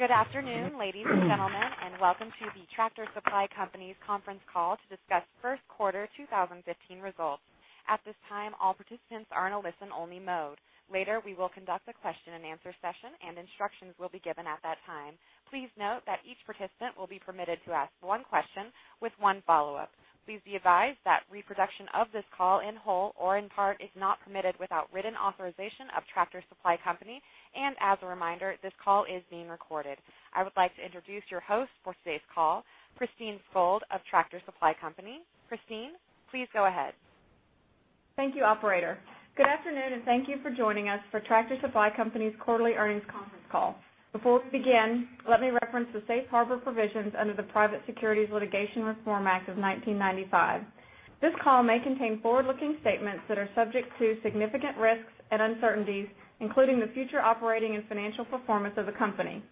Good afternoon, ladies and gentlemen, and welcome to the Tractor Supply Company's conference call to discuss first quarter 2015 results. At this time, all participants are in a listen-only mode. Later, we will conduct a question and answer session, and instructions will be given at that time. Please note that each participant will be permitted to ask one question with one follow-up. Please be advised that reproduction of this call in whole or in part is not permitted without written authorization of Tractor Supply Company. As a reminder, this call is being recorded. I would like to introduce your host for today's call, Christine Skold of Tractor Supply Company. Christine, please go ahead. Thank you, operator. Good afternoon, and thank you for joining us for Tractor Supply Company's quarterly earnings conference call. Before we begin, let me reference the safe harbor provisions under the Private Securities Litigation Reform Act of 1995. This call may contain forward-looking statements that are subject to significant risks and uncertainties, including the future operating and financial performance of the company.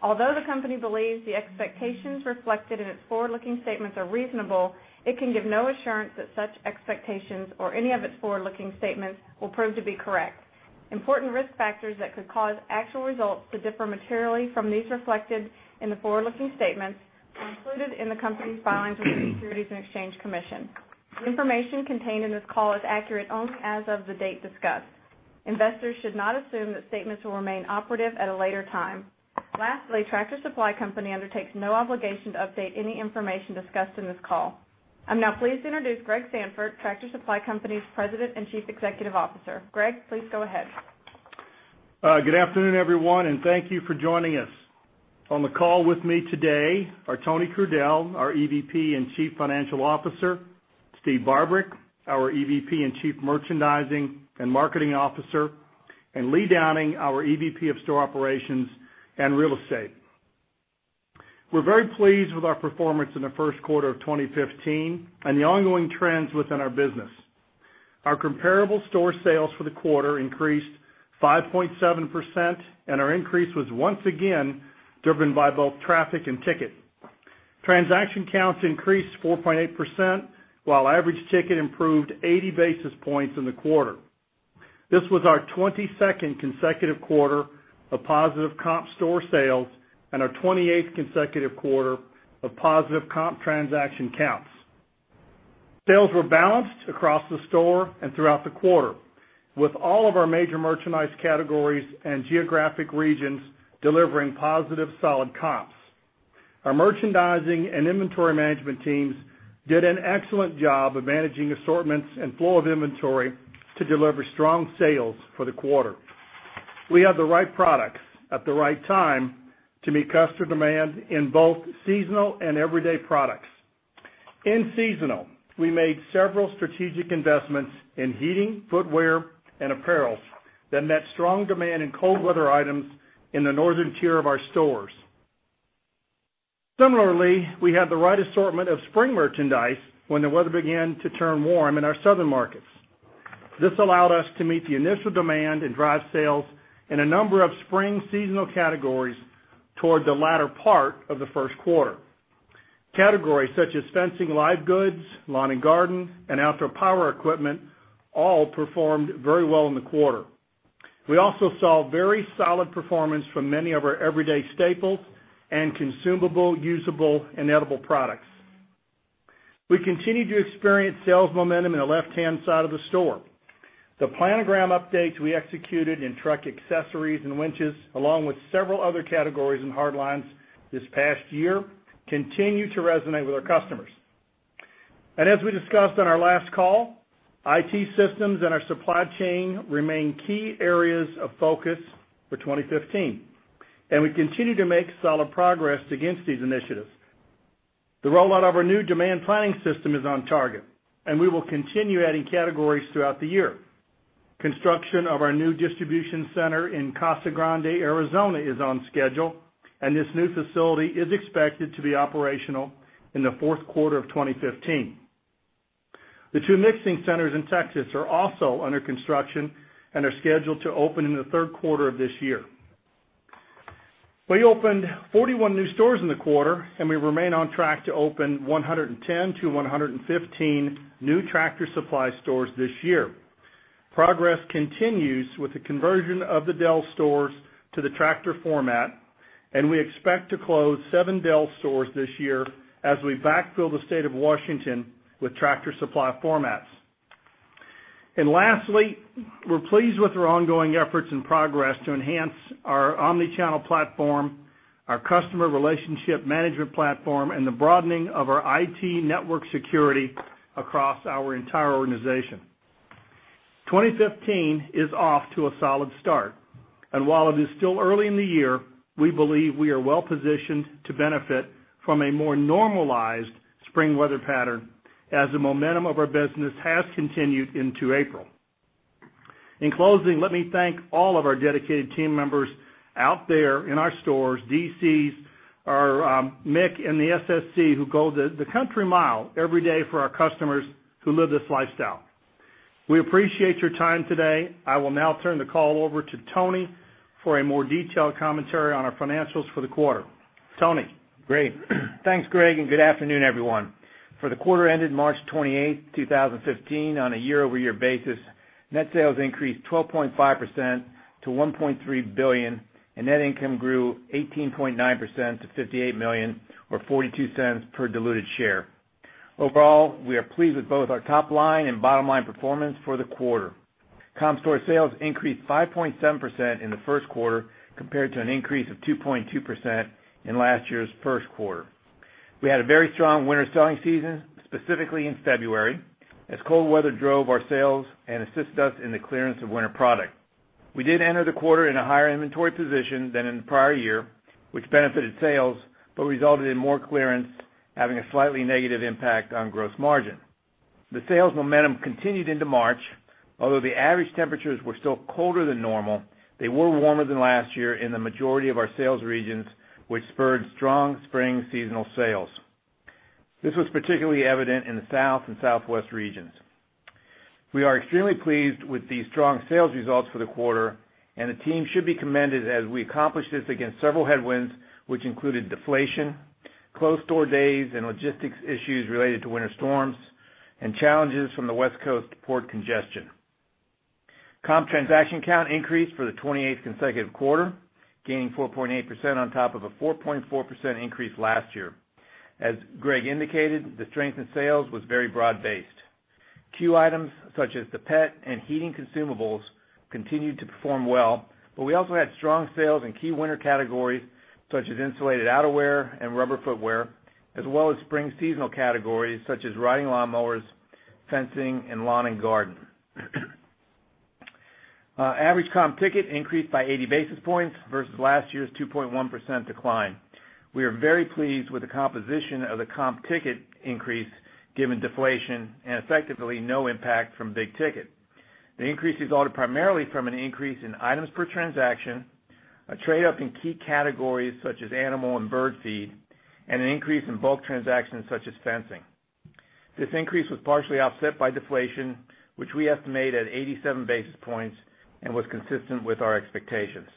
Although the company believes the expectations reflected in its forward-looking statements are reasonable, it can give no assurance that such expectations or any of its forward-looking statements will prove to be correct. Important risk factors that could cause actual results to differ materially from these reflected in the forward-looking statements are included in the company's filings with the Securities and Exchange Commission. The information contained in this call is accurate only as of the date discussed. Investors should not assume that statements will remain operative at a later time. Lastly, Tractor Supply Company undertakes no obligation to update any information discussed in this call. I'm now pleased to introduce Greg Sandfort, Tractor Supply Company's President and Chief Executive Officer. Greg, please go ahead. Good afternoon, everyone, and thank you for joining us. On the call with me today are Tony Crudele, our EVP and Chief Financial Officer, Steve Barbarick, our EVP and Chief Merchandising and Marketing Officer, and Lee Downing, our EVP of Store Operations and Real Estate. We're very pleased with our performance in the first quarter of 2015 and the ongoing trends within our business. Our comparable store sales for the quarter increased 5.7%, and our increase was once again driven by both traffic and ticket. Transaction counts increased 4.8%, while average ticket improved 80 basis points in the quarter. This was our 22nd consecutive quarter of positive comp store sales and our 28th consecutive quarter of positive comp transaction counts. Sales were balanced across the store and throughout the quarter, with all of our major merchandise categories and geographic regions delivering positive solid comps. Our merchandising and inventory management teams did an excellent job of managing assortments and flow of inventory to deliver strong sales for the quarter. We have the right products at the right time to meet customer demand in both seasonal and everyday products. In seasonal, we made several strategic investments in heating, footwear, and apparel that met strong demand in cold weather items in the northern tier of our stores. Similarly, we had the right assortment of spring merchandise when the weather began to turn warm in our southern markets. This allowed us to meet the initial demand and drive sales in a number of spring seasonal categories towards the latter part of the first quarter. Categories such as fencing, live goods, lawn and garden, and outdoor power equipment all performed very well in the quarter. We also saw very solid performance from many of our everyday staples and consumable, usable, and edible products. We continue to experience sales momentum in the left-hand side of the store. The planogram updates we executed in truck accessories and winches, along with several other categories and hard lines this past year, continue to resonate with our customers. As we discussed on our last call, IT systems and our supply chain remain key areas of focus for 2015, and we continue to make solid progress against these initiatives. The rollout of our new demand planning system is on target, and we will continue adding categories throughout the year. Construction of our new distribution center in Casa Grande, Arizona is on schedule, and this new facility is expected to be operational in the fourth quarter of 2015. The two mixing centers in Texas are also under construction and are scheduled to open in the third quarter of this year. We opened 41 new stores in the quarter, and we remain on track to open 110 to 115 new Tractor Supply stores this year. Progress continues with the conversion of the Del's stores to the Tractor format, and we expect to close seven Del's stores this year as we backfill the state of Washington with Tractor Supply formats. Lastly, we're pleased with our ongoing efforts and progress to enhance our omni-channel platform, our customer relationship management platform, and the broadening of our IT network security across our entire organization. 2015 is off to a solid start, and while it is still early in the year, we believe we are well-positioned to benefit from a more normalized spring weather pattern as the momentum of our business has continued into April. In closing, let me thank all of our dedicated team members out there in our stores, DCs, our MIC, and the SSC who go the country mile every day for our customers who live this lifestyle. We appreciate your time today. I will now turn the call over to Tony for a more detailed commentary on our financials for the quarter. Tony Crudele. Great. Thanks, Greg Sandfort, and good afternoon, everyone. For the quarter ended March 28th, 2015, on a year-over-year basis, net sales increased 12.5% to $1.3 billion, and net income grew 18.9% to $58 million, or $0.42 per diluted share. Overall, we are pleased with both our top-line and bottom-line performance for the quarter. Comp store sales increased 5.7% in the first quarter, compared to an increase of 2.2% in last year's first quarter. We had a very strong winter selling season, specifically in February, as cold weather drove our sales and assisted us in the clearance of winter product. We did enter the quarter in a higher inventory position than in the prior year, which benefited sales but resulted in more clearance, having a slightly negative impact on gross margin. The sales momentum continued into March. Although the average temperatures were still colder than normal, they were warmer than last year in the majority of our sales regions, which spurred strong spring seasonal sales. This was particularly evident in the South and Southwest regions. We are extremely pleased with the strong sales results for the quarter, and the team should be commended as we accomplished this against several headwinds, which included deflation, closed door days, and logistics issues related to winter storms, and challenges from the West Coast port congestion. Comp transaction count increased for the 28th consecutive quarter, gaining 4.8% on top of a 4.4% increase last year. As Greg Sandfort indicated, the strength in sales was very broad-based. C.U.E. items such as the pet and heating consumables continued to perform well, but we also had strong sales in key winter categories such as insulated outerwear and rubber footwear, as well as spring seasonal categories such as riding lawn mowers, fencing, and lawn and garden. Average comp ticket increased by 80 basis points versus last year's 2.1% decline. We are very pleased with the composition of the comp ticket increase given deflation and effectively no impact from big ticket. The increase resulted primarily from an increase in items per transaction, a trade-up in key categories such as animal and bird feed, and an increase in bulk transactions such as fencing. This increase was partially offset by deflation, which we estimate at 87 basis points and was consistent with our expectations.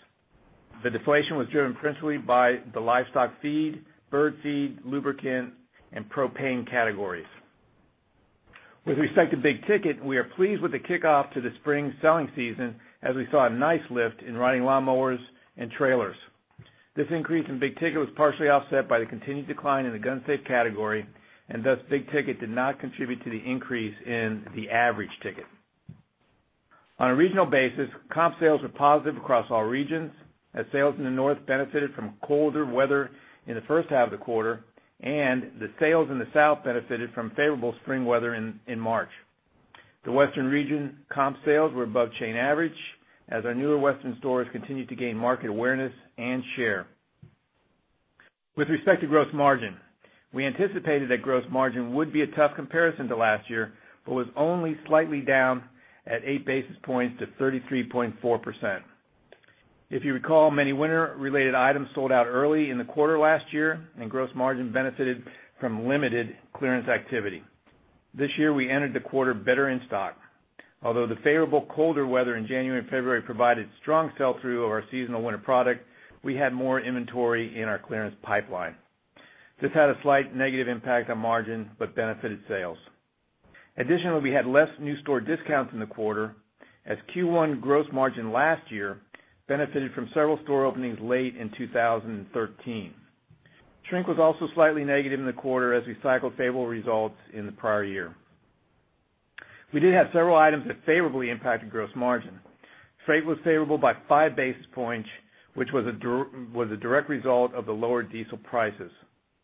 The deflation was driven principally by the livestock feed, bird feed, lubricant, and propane categories. With respect to big ticket, we are pleased with the kickoff to the spring selling season as we saw a nice lift in riding lawn mowers and trailers. This increase in big ticket was partially offset by the continued decline in the gun safe category, and thus, big ticket did not contribute to the increase in the average ticket. On a regional basis, comp sales were positive across all regions, as sales in the North benefited from colder weather in the first half of the quarter, and the sales in the South benefited from favorable spring weather in March. The Western region comp sales were above chain average as our newer Western stores continued to gain market awareness and share. With respect to gross margin, we anticipated that gross margin would be a tough comparison to last year but was only slightly down at eight basis points to 33.4%. If you recall, many winter-related items sold out early in the quarter last year, and gross margin benefited from limited clearance activity. This year, we entered the quarter better in stock. Although the favorable colder weather in January and February provided strong sell-through of our seasonal winter product, we had more inventory in our clearance pipeline. This had a slight negative impact on margin but benefited sales. Additionally, we had less new store discounts in the quarter as Q1 gross margin last year benefited from several store openings late in 2013. Shrink was also slightly negative in the quarter as we cycled favorable results in the prior year. We did have several items that favorably impacted gross margin. Freight was favorable by five basis points, which was a direct result of the lower diesel prices.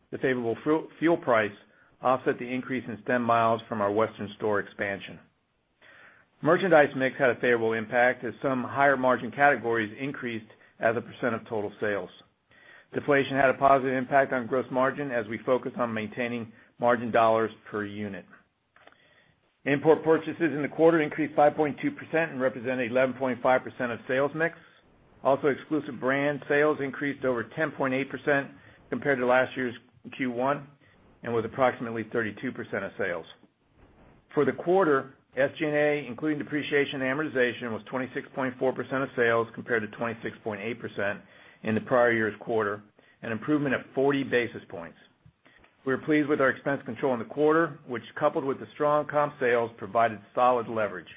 The favorable fuel price offset the increase in stem miles from our Western store expansion. Merchandise mix had a favorable impact as some higher-margin categories increased as a percent of total sales. Deflation had a positive impact on gross margin as we focus on maintaining margin dollars per unit. Import purchases in the quarter increased 5.2% and represented 11.5% of sales mix. Exclusive brand sales increased over 10.8% compared to last year's Q1 and with approximately 32% of sales. For the quarter, SG&A, including depreciation and amortization, was 26.4% of sales, compared to 26.8% in the prior year's quarter, an improvement of 40 basis points. We are pleased with our expense control in the quarter, which, coupled with the strong comp sales, provided solid leverage.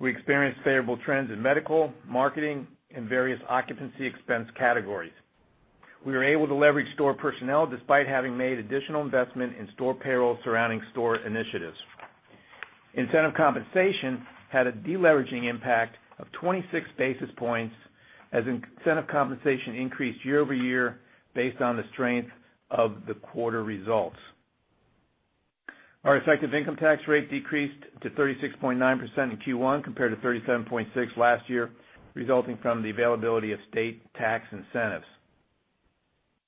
We experienced favorable trends in medical, marketing, and various occupancy expense categories. We were able to leverage store personnel despite having made additional investment in store payroll surrounding store initiatives. Incentive compensation had a deleveraging impact of 26 basis points, as incentive compensation increased year over year based on the strength of the quarter results. Our effective income tax rate decreased to 36.9% in Q1 compared to 37.6% last year, resulting from the availability of state tax incentives.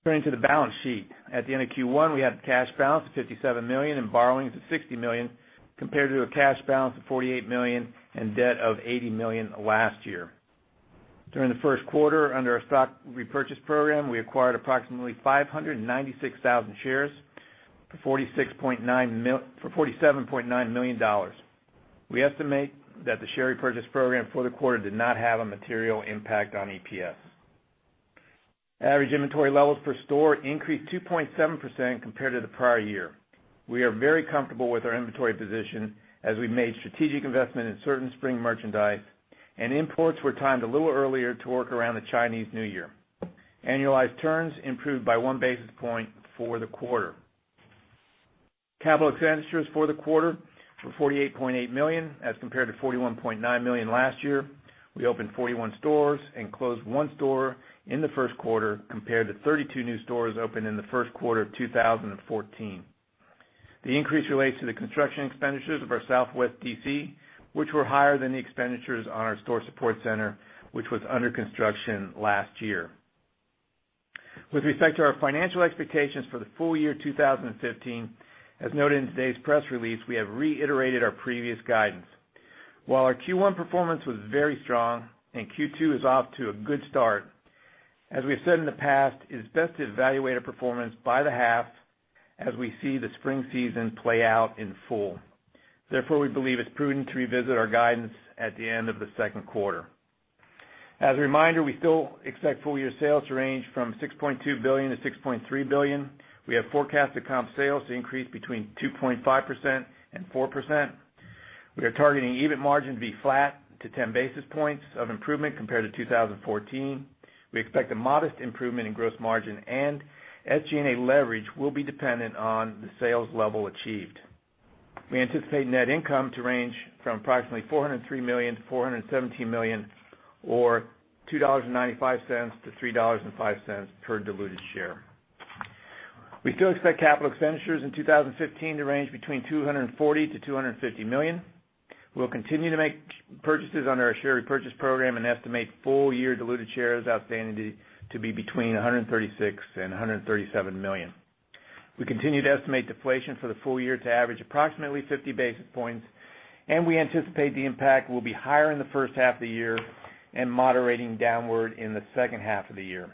Turning to the balance sheet. At the end of Q1, we had the cash balance of $57 million and borrowings of $60 million, compared to a cash balance of $48 million and debt of $80 million last year. During the first quarter, under our stock repurchase program, we acquired approximately 596,000 shares for $47.9 million. We estimate that the share repurchase program for the quarter did not have a material impact on EPS. Average inventory levels per store increased 2.7% compared to the prior year. We are very comfortable with our inventory position as we made strategic investment in certain spring merchandise. Imports were timed a little earlier to work around the Chinese New Year. Annualized turns improved by one basis point for the quarter. Capital expenditures for the quarter were $48.8 million as compared to $41.9 million last year. We opened 41 stores and closed one store in the first quarter compared to 32 new stores opened in the first quarter of 2014. The increase relates to the construction expenditures of our Southwest DC, which were higher than the expenditures on our Store Support Center, which was under construction last year. With respect to our financial expectations for the full year 2015, as noted in today's press release, we have reiterated our previous guidance. While our Q1 performance was very strong and Q2 is off to a good start, as we have said in the past, it is best to evaluate a performance by the half as we see the spring season play out in full. We believe it's prudent to revisit our guidance at the end of the second quarter. As a reminder, we still expect full year sales to range from $6.2 billion-$6.3 billion. We have forecasted comp sales to increase between 2.5% and 4%. We are targeting EBIT margin to be flat to 10 basis points of improvement compared to 2014. We expect a modest improvement in gross margin, and SG&A leverage will be dependent on the sales level achieved. We anticipate net income to range from approximately $403 million-$417 million, or $2.95-$3.05 per diluted share. We still expect capital expenditures in 2015 to range between $240 million-$250 million. We'll continue to make purchases under our share repurchase program and estimate full-year diluted shares outstanding to be between 136 million and 137 million. We continue to estimate deflation for the full year to average approximately 50 basis points, and we anticipate the impact will be higher in the first half of the year and moderating downward in the second half of the year.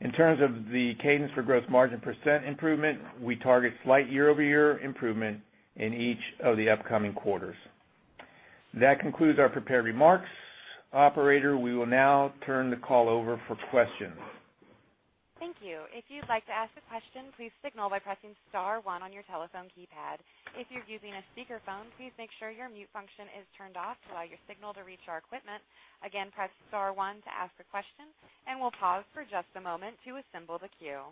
In terms of the cadence for gross margin % improvement, we target slight year-over-year improvement in each of the upcoming quarters. That concludes our prepared remarks. Operator, we will now turn the call over for questions. Thank you. If you'd like to ask a question, please signal by pressing * one on your telephone keypad. If you're using a speakerphone, please make sure your mute function is turned off to allow your signal to reach our equipment. Press * one to ask a question, and we'll pause for just a moment to assemble the queue.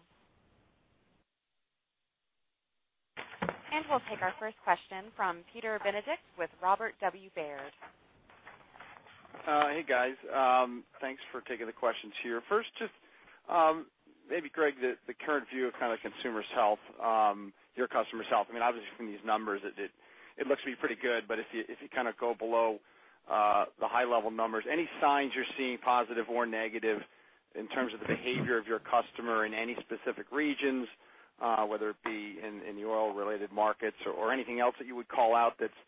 We'll take our first question from Peter Benedict with Robert W. Baird. Hey, guys. Thanks for taking the questions here. First, just maybe, Greg, the current view of kind of consumers' health, your customers' health. Obviously, from these numbers, it looks to be pretty good. If you go below the high-level numbers, any signs you're seeing positive or negative in terms of the behavior of your customer in any specific regions, whether it be in the oil-related markets or anything else that you would call out that's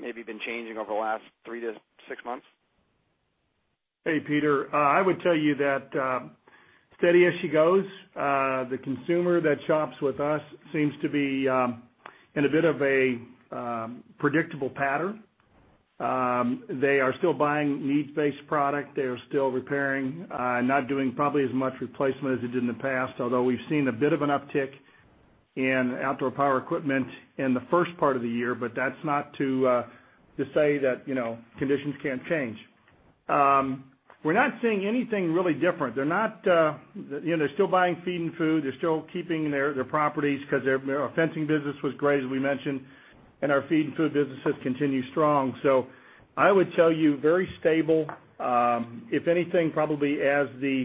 maybe been changing over the last three to six months? Hey, Peter. I would tell you that steady as she goes. The consumer that shops with us seems to be in a bit of a predictable pattern. They are still buying needs-based product. They are still repairing, not doing probably as much replacement as they did in the past, although we've seen a bit of an uptick in outdoor power equipment in the first part of the year. That's not to say that conditions can't change. We're not seeing anything really different. They're still buying feed and food. They're still keeping their properties because our fencing business was great, as we mentioned, and our feed and food businesses continue strong. I would tell you, very stable. If anything, probably as the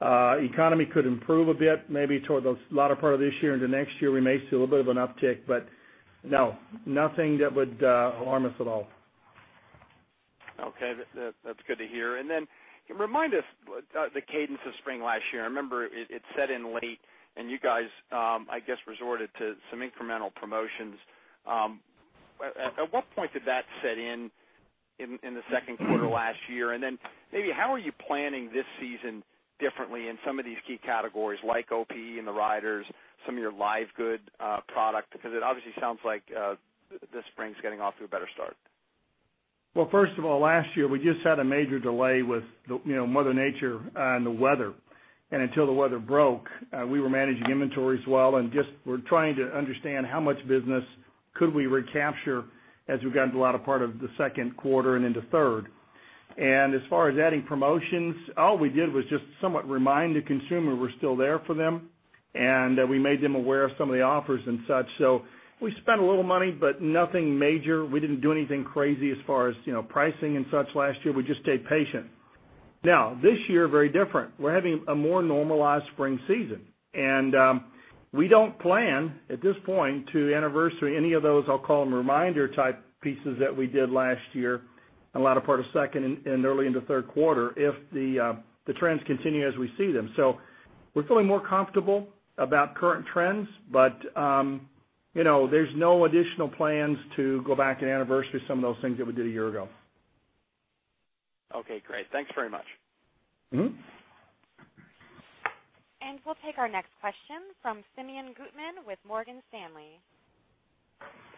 economy could improve a bit, maybe toward the latter part of this year into next year, we may see a little bit of an uptick. No, nothing that would alarm us at all. Okay. That's good to hear. Then remind us the cadence of spring last year. I remember it set in late and you guys, I guess, resorted to some incremental promotions. At what point did that set in in the second quarter last year? Then maybe how are you planning this season differently in some of these key categories like OPE and the riders, some of your live goods product? Because it obviously sounds like this spring's getting off to a better start. Well, first of all, last year, we just had a major delay with Mother Nature and the weather. Until the weather broke, we were managing inventories well and just were trying to understand how much business could we recapture as we got into the latter part of the second quarter and into third. As far as adding promotions, all we did was just somewhat remind the consumer we're still there for them, and we made them aware of some of the offers and such. We spent a little money, but nothing major. We didn't do anything crazy as far as pricing and such last year. We just stayed patient. Now, this year, very different. We're having a more normalized spring season. We don't plan at this point to anniversary any of those, I'll call them reminder type pieces that we did last year in the latter part of second and early into third quarter if the trends continue as we see them. We're feeling more comfortable about current trends, but there's no additional plans to go back and anniversary some of those things that we did a year ago. Okay, great. Thanks very much. We'll take our next question from Simeon Gutman with Morgan Stanley.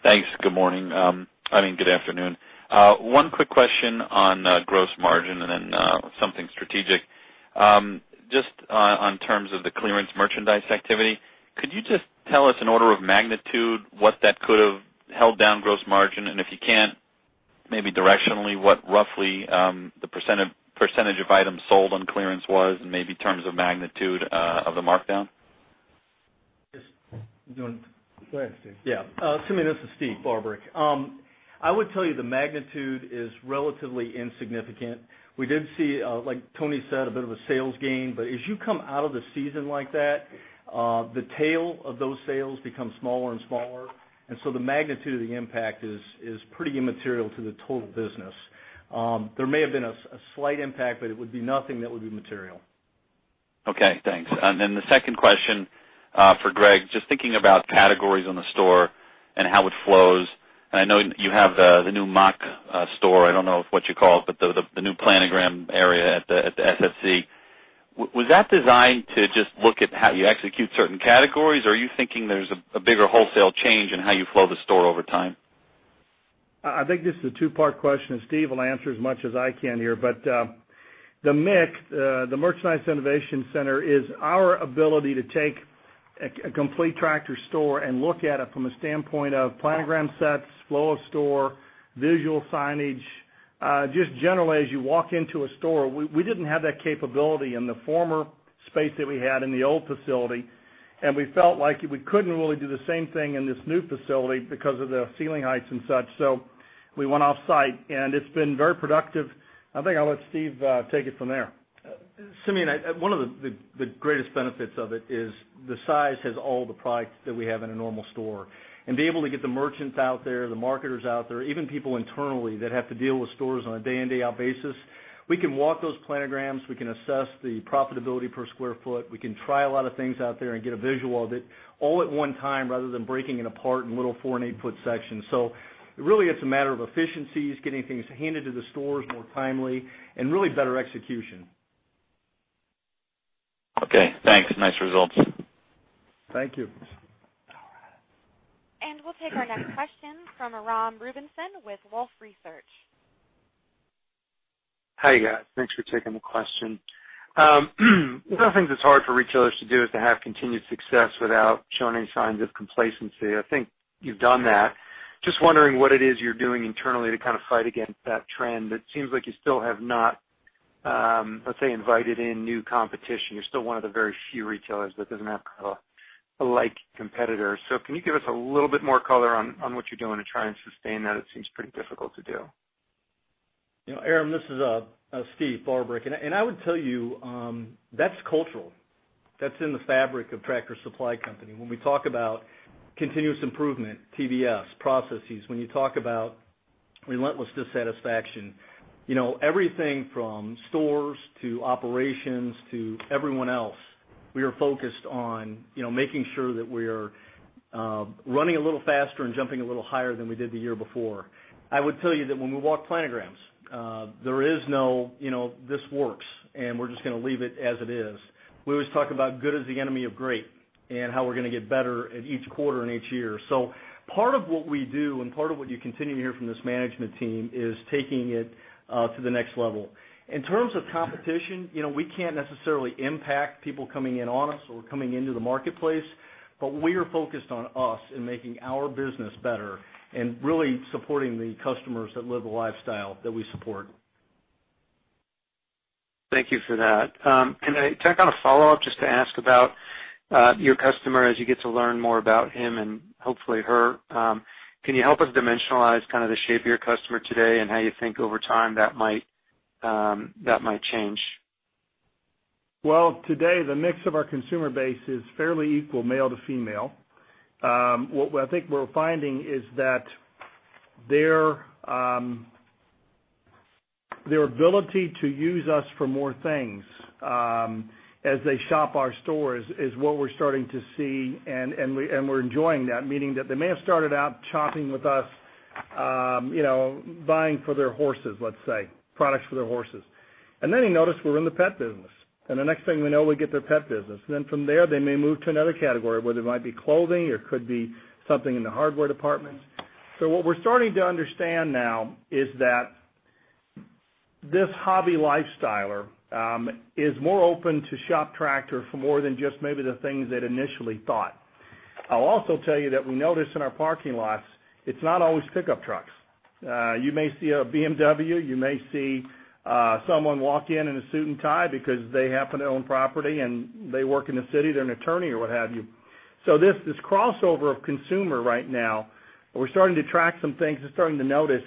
Thanks. Good morning. I mean, good afternoon. One quick question on gross margin, then something strategic. Just on terms of the clearance merchandise activity, could you just tell us an order of magnitude what that could have held down gross margin, and if you can't, maybe directionally, what roughly the % of items sold on clearance was, and maybe terms of magnitude of the markdown? Yes. You want to? Go ahead, Steve. Simeon, this is Steve Barbarick. I would tell you the magnitude is relatively insignificant. We did see, like Tony said, a bit of a sales gain, but as you come out of the season like that, the tail of those sales become smaller and smaller, and so the magnitude of the impact is pretty immaterial to the total business. There may have been a slight impact, but it would be nothing that would be material. Okay, thanks. The second question, for Greg, just thinking about categories in the store and how it flows, and I know you have the new mock store, I don't know what you call it, but the new planogram area at the SSC. Was that designed to just look at how you execute certain categories, or are you thinking there's a bigger wholesale change in how you flow the store over time? I think this is a two-part question. Steve will answer as much as I can here. The MIC, the Merchandise Innovation Center, is our ability to take a complete Tractor store and look at it from a standpoint of planogram sets, flow of store, visual signage, just generally as you walk into a store. We didn't have that capability in the former space that we had in the old facility, and we felt like we couldn't really do the same thing in this new facility because of the ceiling heights and such. We went off-site, and it's been very productive. I think I'll let Steve take it from there. Simeon, one of the greatest benefits of it is the size has all the products that we have in a normal store. To be able to get the merchants out there, the marketers out there, even people internally that have to deal with stores on a day-in day-out basis, we can walk those planograms, we can assess the profitability per square foot. We can try a lot of things out there and get a visual of it all at one time rather than breaking it apart in little four and eight-foot sections. Really, it's a matter of efficiencies, getting things handed to the stores more timely, and really better execution. Okay, thanks. Nice results. Thank you. All right. We'll take our next question from Aram Rubinson with Wolfe Research. Hi, guys. Thanks for taking the question. One of the things that's hard for retailers to do is to have continued success without showing any signs of complacency. I think you've done that. Just wondering what it is you're doing internally to fight against that trend. It seems like you still have not, let's say, invited in new competition. You're still one of the very few retailers that doesn't have a like competitor. Can you give us a little bit more color on what you're doing to try and sustain that? It seems pretty difficult to do. Aram, this is Steve Barbarick. I would tell you, that's cultural. That's in the fabric of Tractor Supply Company. When we talk about continuous improvement, TVs, processes, when you talk about relentless dissatisfaction, everything from stores to operations to everyone else, we are focused on making sure that we're running a little faster and jumping a little higher than we did the year before. I would tell you that when we walk planograms, there is no this works and we're just going to leave it as it is. We always talk about good is the enemy of great and how we're going to get better at each quarter and each year. Part of what we do and part of what you continue to hear from this management team is taking it to the next level. In terms of competition, we can't necessarily impact people coming in on us or coming into the marketplace. We are focused on us and making our business better and really supporting the customers that live the lifestyle that we support. Thank you for that. Can I tack on a follow-up just to ask about your customer as you get to learn more about him and hopefully her, can you help us dimensionalize the shape of your customer today and how you think over time that might change? Well, today, the mix of our consumer base is fairly equal male to female. What I think we're finding is that their ability to use us for more things as they shop our stores is what we're starting to see, and we're enjoying that, meaning that they may have started out shopping with us buying for their horses, let's say, products for their horses. They notice we're in the pet business, and the next thing we know, we get their pet business. From there, they may move to another category, whether it might be clothing or could be something in the hardware department. What we're starting to understand now is that this hobby lifestyler is more open to shop Tractor for more than just maybe the things they'd initially thought. I'll also tell you that we notice in our parking lots, it's not always pickup trucks. You may see a BMW. You may see someone walk in in a suit and tie because they happen to own property and they work in the city, they're an attorney or what have you. This crossover of consumer right now, we're starting to track some things and starting to notice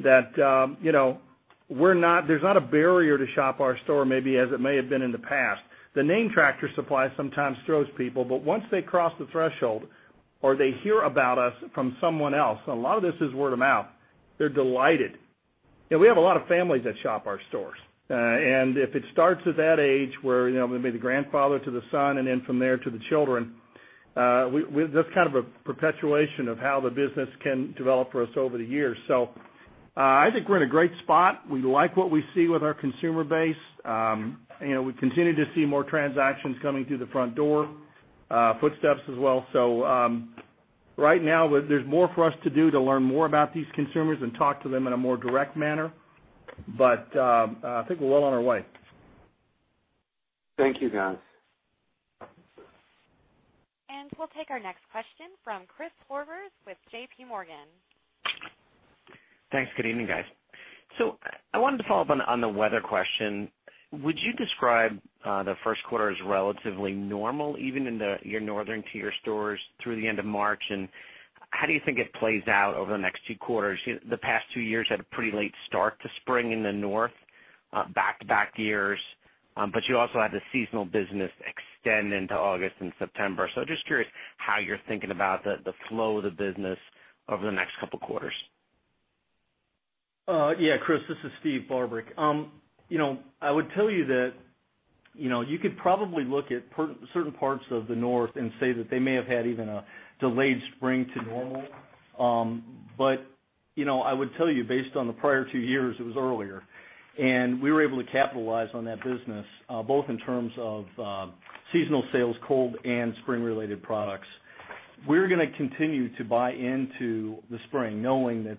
that there's not a barrier to shop our store maybe as it may have been in the past. The name Tractor Supply sometimes throws people. Once they cross the threshold or they hear about us from someone else, a lot of this is word of mouth, they're delighted. We have a lot of families that shop our stores. If it starts at that age where maybe the grandfather to the son and then from there to the children. With just kind of a perpetuation of how the business can develop for us over the years. I think we're in a great spot. We like what we see with our consumer base. We continue to see more transactions coming through the front door, footsteps as well. Right now, there's more for us to do to learn more about these consumers and talk to them in a more direct manner. I think we're well on our way. Thank you, guys. We'll take our next question from Christopher Horvers with JPMorgan. Thanks. Good evening, guys. I wanted to follow up on the weather question. Would you describe the first quarter as relatively normal, even in your northern tier stores through the end of March? How do you think it plays out over the next two quarters? The past two years had a pretty late start to spring in the north, back-to-back years. You also had the seasonal business extend into August and September. Just curious how you're thinking about the flow of the business over the next couple quarters. Chris, this is Steve Barbarick. I would tell you that you could probably look at certain parts of the north and say that they may have had even a delayed spring to normal. I would tell you, based on the prior two years, it was earlier, and we were able to capitalize on that business both in terms of seasonal sales, cold and spring related products. We're going to continue to buy into the spring knowing that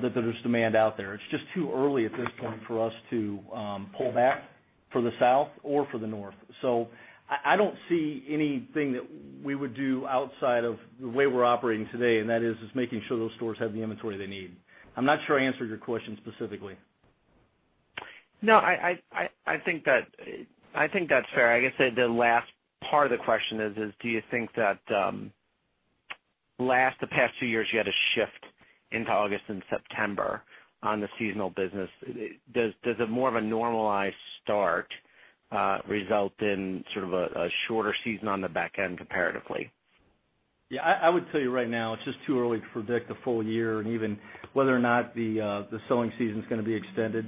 there's demand out there. It's just too early at this point for us to pull back for the south or for the north. I don't see anything that we would do outside of the way we're operating today, and that is just making sure those stores have the inventory they need. I'm not sure I answered your question specifically. No, I think that's fair. I guess the last part of the question is do you think that the past two years you had a shift into August and September on the seasonal business? Does a more of a normalized start result in sort of a shorter season on the back end comparatively? Yeah, I would tell you right now, it's just too early to predict a full year and even whether or not the sowing season's going to be extended.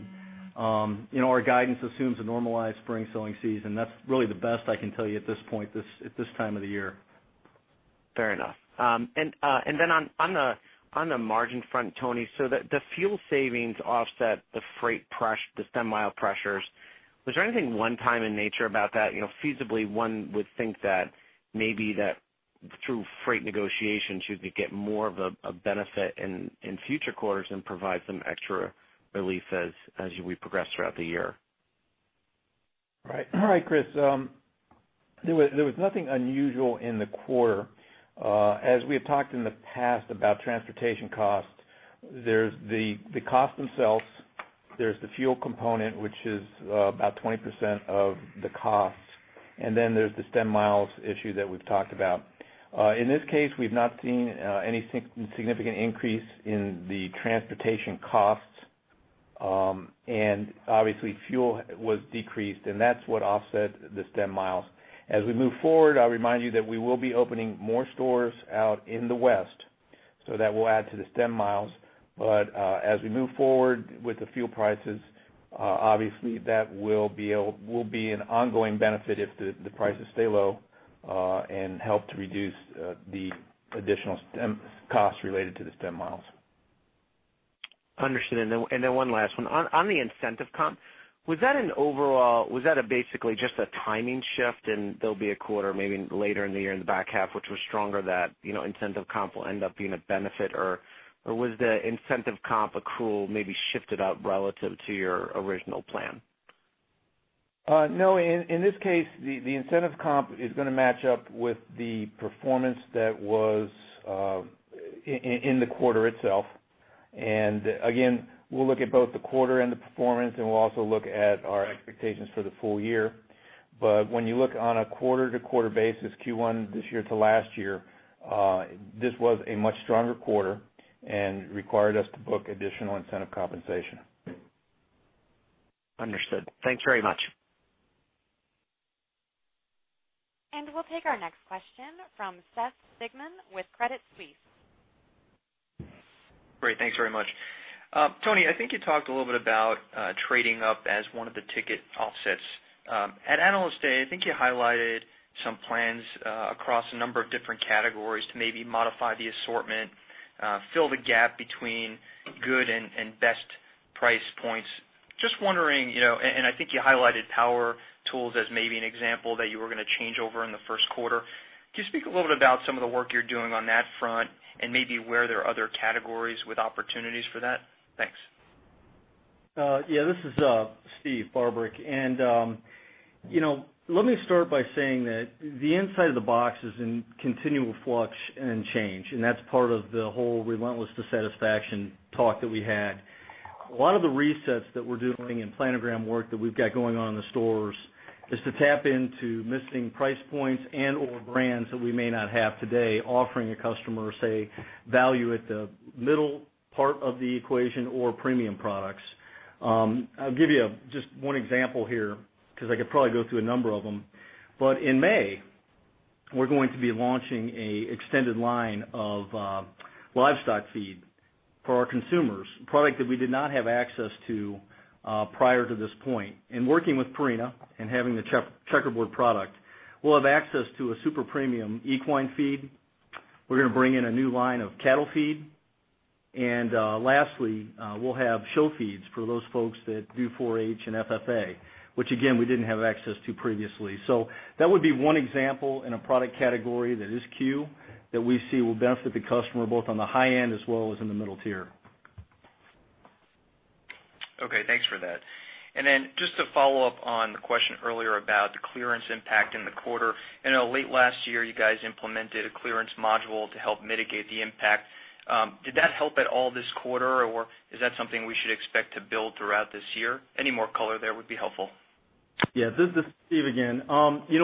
Our guidance assumes a normalized spring sowing season. That's really the best I can tell you at this point, at this time of the year. Fair enough. On the margin front, Tony, the fuel savings offset the freight press, the last mile pressures, was there anything one time in nature about that? Feasibly, one would think that maybe that through freight negotiations, you'd be getting more of a benefit in future quarters and provide some extra relief as we progress throughout the year. Right. Chris, there was nothing unusual in the quarter. As we have talked in the past about transportation costs, there's the cost themselves, there's the fuel component, which is about 20% of the cost, then there's the stem miles issue that we've talked about. In this case, we've not seen any significant increase in the transportation costs. Obviously fuel was decreased and that's what offset the stem miles. As we move forward, I'll remind you that we will be opening more stores out in the west, so that will add to the stem miles. When we move forward with the fuel prices, obviously that will be an ongoing benefit if the prices stay low and help to reduce the additional stem costs related to the stem miles. Understood. Then one last one. On the incentive comp, was that basically just a timing shift and there'll be a quarter maybe later in the year in the back half, which was stronger, that incentive comp will end up being a benefit? Or was the incentive comp accrual maybe shifted out relative to your original plan? No, in this case, the incentive comp is going to match up with the performance that was in the quarter itself. Again, we'll look at both the quarter and the performance, and we'll also look at our expectations for the full year. When you look on a quarter-to-quarter basis, Q1 this year to last year, this was a much stronger quarter and required us to book additional incentive compensation. Understood. Thanks very much. We'll take our next question from Seth Sigman with Credit Suisse. Great. Thanks very much. Tony, I think you talked a little bit about trading up as one of the ticket offsets. At Analyst Day, I think you highlighted some plans across a number of different categories to maybe modify the assortment, fill the gap between good and best price points. Just wondering, I think you highlighted power tools as maybe an example that you were going to change over in the first quarter. Can you speak a little bit about some of the work you're doing on that front and maybe where there are other categories with opportunities for that? Thanks. Yeah. This is Steve Barbarick. Let me start by saying that the inside of the box is in continual flux and change, and that's part of the whole relentless to satisfaction talk that we had. A lot of the resets that we're doing and planogram work that we've got going on in the stores is to tap into missing price points and or brands that we may not have today offering a customer, say, value at the middle part of the equation or premium products. I'll give you just one example here because I could probably go through a number of them. In May, we're going to be launching an extended line of livestock feed for our consumers, product that we did not have access to prior to this point. In working with Purina and having the Checkerboard product, we'll have access to a super premium equine feed. We're going to bring in a new line of cattle feed, and lastly, we'll have show feeds for those folks that do 4-H and FFA, which again, we didn't have access to previously. That would be one example in a product category that is C.U.E. that we see will benefit the customer both on the high end as well as in the middle tier. Okay, thanks for that. Just to follow up on the question earlier about the clearance impact in the quarter. I know late last year you guys implemented a clearance module to help mitigate the impact. Did that help at all this quarter, or is that something we should expect to build throughout this year? Any more color there would be helpful. Yeah, this is Steve again.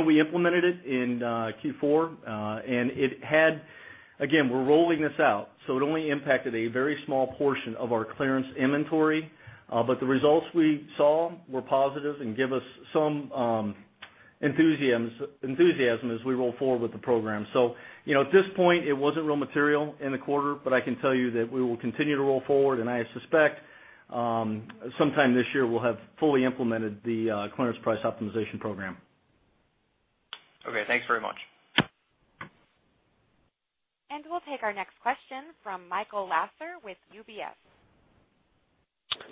We implemented it in Q4, again, we're rolling this out, it only impacted a very small portion of our clearance inventory. The results we saw were positive and give us some enthusiasm as we roll forward with the program. At this point, it wasn't real material in the quarter, I can tell you that we will continue to roll forward, and I suspect, sometime this year, we'll have fully implemented the clearance price optimization program. Okay, thanks very much. We'll take our next question from Michael Lasser with UBS.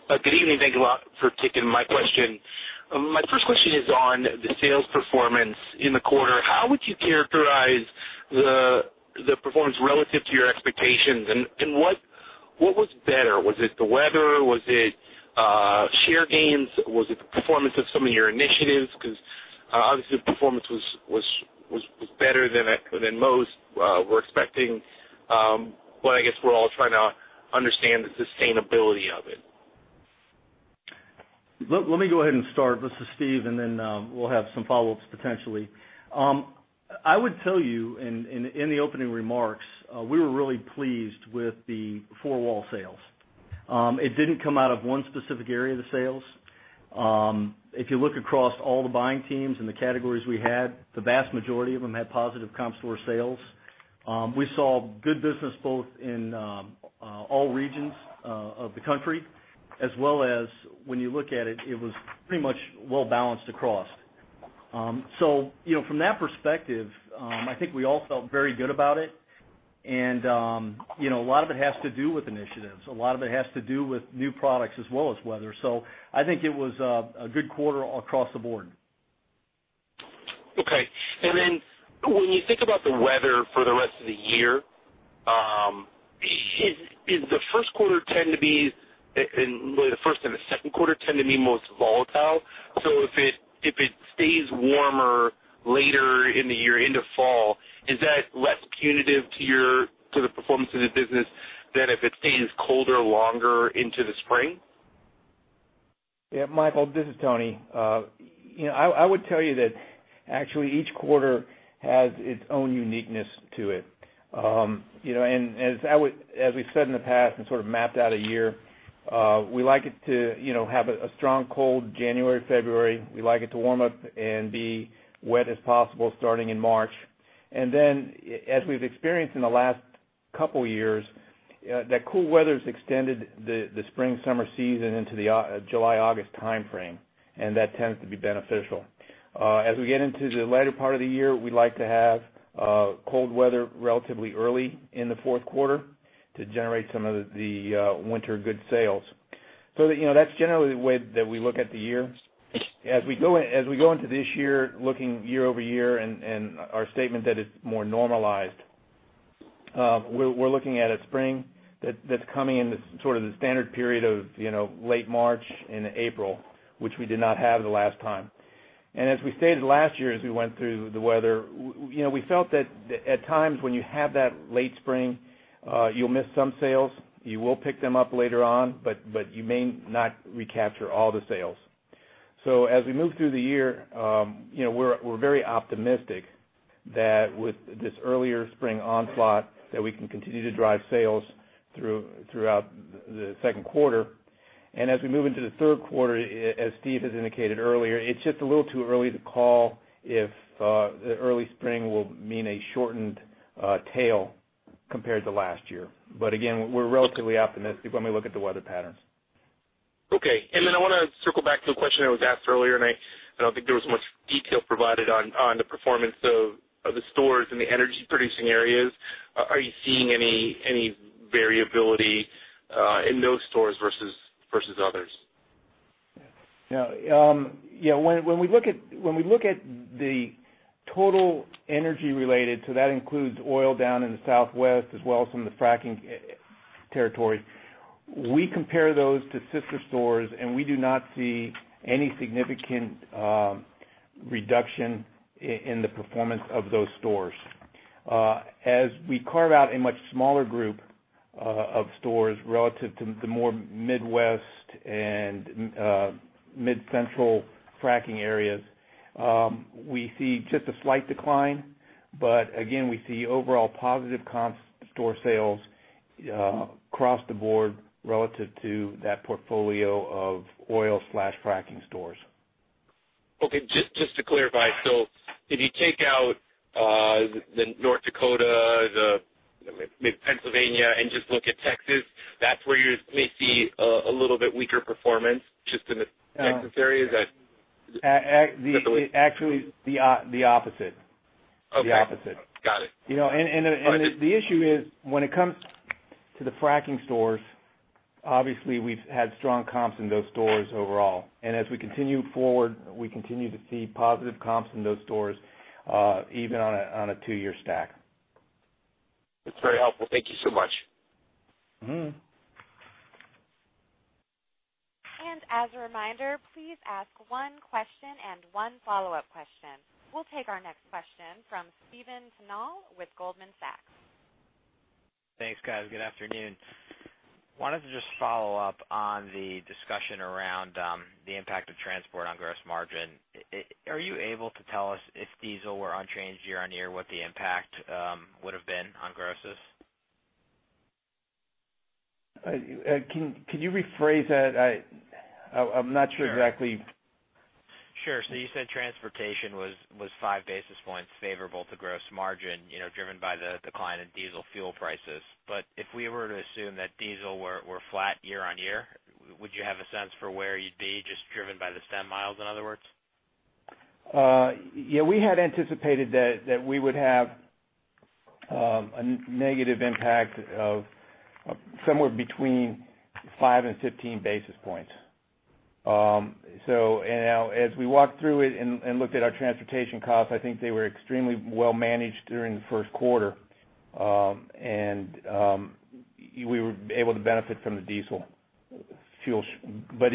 Good evening. Thank you a lot for taking my question. My first question is on the sales performance in the quarter. How would you characterize the performance relative to your expectations, and what was better? Was it the weather? Was it share gains? Was it the performance of some of your initiatives? Because obviously the performance was better than most were expecting. I guess we're all trying to understand the sustainability of it. Let me go ahead and start. This is Steve. Then we'll have some follow-ups potentially. I would tell you in the opening remarks, we were really pleased with the four-wall sales. It didn't come out of one specific area of the sales. If you look across all the buying teams and the categories we had, the vast majority of them had positive comp store sales. We saw good business both in all regions of the country, as well as when you look at it was pretty much well-balanced across. From that perspective, I think we all felt very good about it, and a lot of it has to do with initiatives. A lot of it has to do with new products as well as weather. I think it was a good quarter across the board. Okay. Then when you think about the weather for the rest of the year, is the first and the second quarter tend to be most volatile? If it stays warmer later in the year into fall, is that less punitive to the performance of the business than if it stays colder longer into the spring? Yeah, Michael, this is Tony. I would tell you that actually each quarter has its own uniqueness to it. As we've said in the past and sort of mapped out a year, we like it to have a strong cold January, February. We like it to warm up and be wet as possible starting in March. Then as we've experienced in the last couple years, that cool weather's extended the spring, summer season into the July, August timeframe, and that tends to be beneficial. As we get into the latter part of the year, we like to have cold weather relatively early in the fourth quarter to generate some of the winter good sales. That's generally the way that we look at the year. As we go into this year, looking year-over-year and our statement that it's more normalized, we're looking at a spring that's coming in sort of the standard period of late March into April, which we did not have the last time. As we stated last year, as we went through the weather, we felt that at times when you have that late spring, you'll miss some sales. You will pick them up later on, but you may not recapture all the sales. As we move through the year, we're very optimistic that with this earlier spring onslaught, that we can continue to drive sales throughout the second quarter. As we move into the third quarter, as Steve has indicated earlier, it's just a little too early to call if the early spring will mean a shortened tail compared to last year. Again, we're relatively optimistic when we look at the weather patterns. Okay. Then I want to circle back to a question that was asked earlier, and I don't think there was much detail provided on the performance of the stores in the energy-producing areas. Are you seeing any variability in those stores versus others? Yeah. When we look at the total energy related, so that includes oil down in the Southwest as well as some of the fracking territory, we compare those to sister stores, and we do not see any significant reduction in the performance of those stores. As we carve out a much smaller group of stores relative to the more Midwest and Mid-Central fracking areas, we see just a slight decline, but again, we see overall positive comp store sales across the board relative to that portfolio of oil/fracking stores. Okay. Just to clarify, if you take out the North Dakota, the Pennsylvania, and just look at Texas, that's where you may see a little bit weaker performance just in the Texas area? Actually, the opposite. Okay. The opposite. Got it. The issue is when it comes to the fracking stores, obviously we've had strong comps in those stores overall. As we continue forward, we continue to see positive comps in those stores, even on a 2-year stack. It's very helpful. Thank you so much. As a reminder, please ask one question and one follow-up question. We'll take our next question from Stephen Tanal with Goldman Sachs. Thanks, guys. Good afternoon. Wanted to just follow up on the discussion around the impact of transport on gross margin. Are you able to tell us if diesel were unchanged year-on-year, what the impact would've been on grosses? Can you rephrase that? I'm not sure exactly. Sure. You said transportation was 5 basis points favorable to gross margin, driven by the decline in diesel fuel prices. If we were to assume that diesel were flat year-on-year, would you have a sense for where you'd be just driven by the stem miles, in other words? Yeah. We had anticipated that we would have a negative impact of somewhere between 5 and 15 basis points. As we walked through it and looked at our transportation costs, I think they were extremely well-managed during the first quarter. We were able to benefit from the diesel fuel. I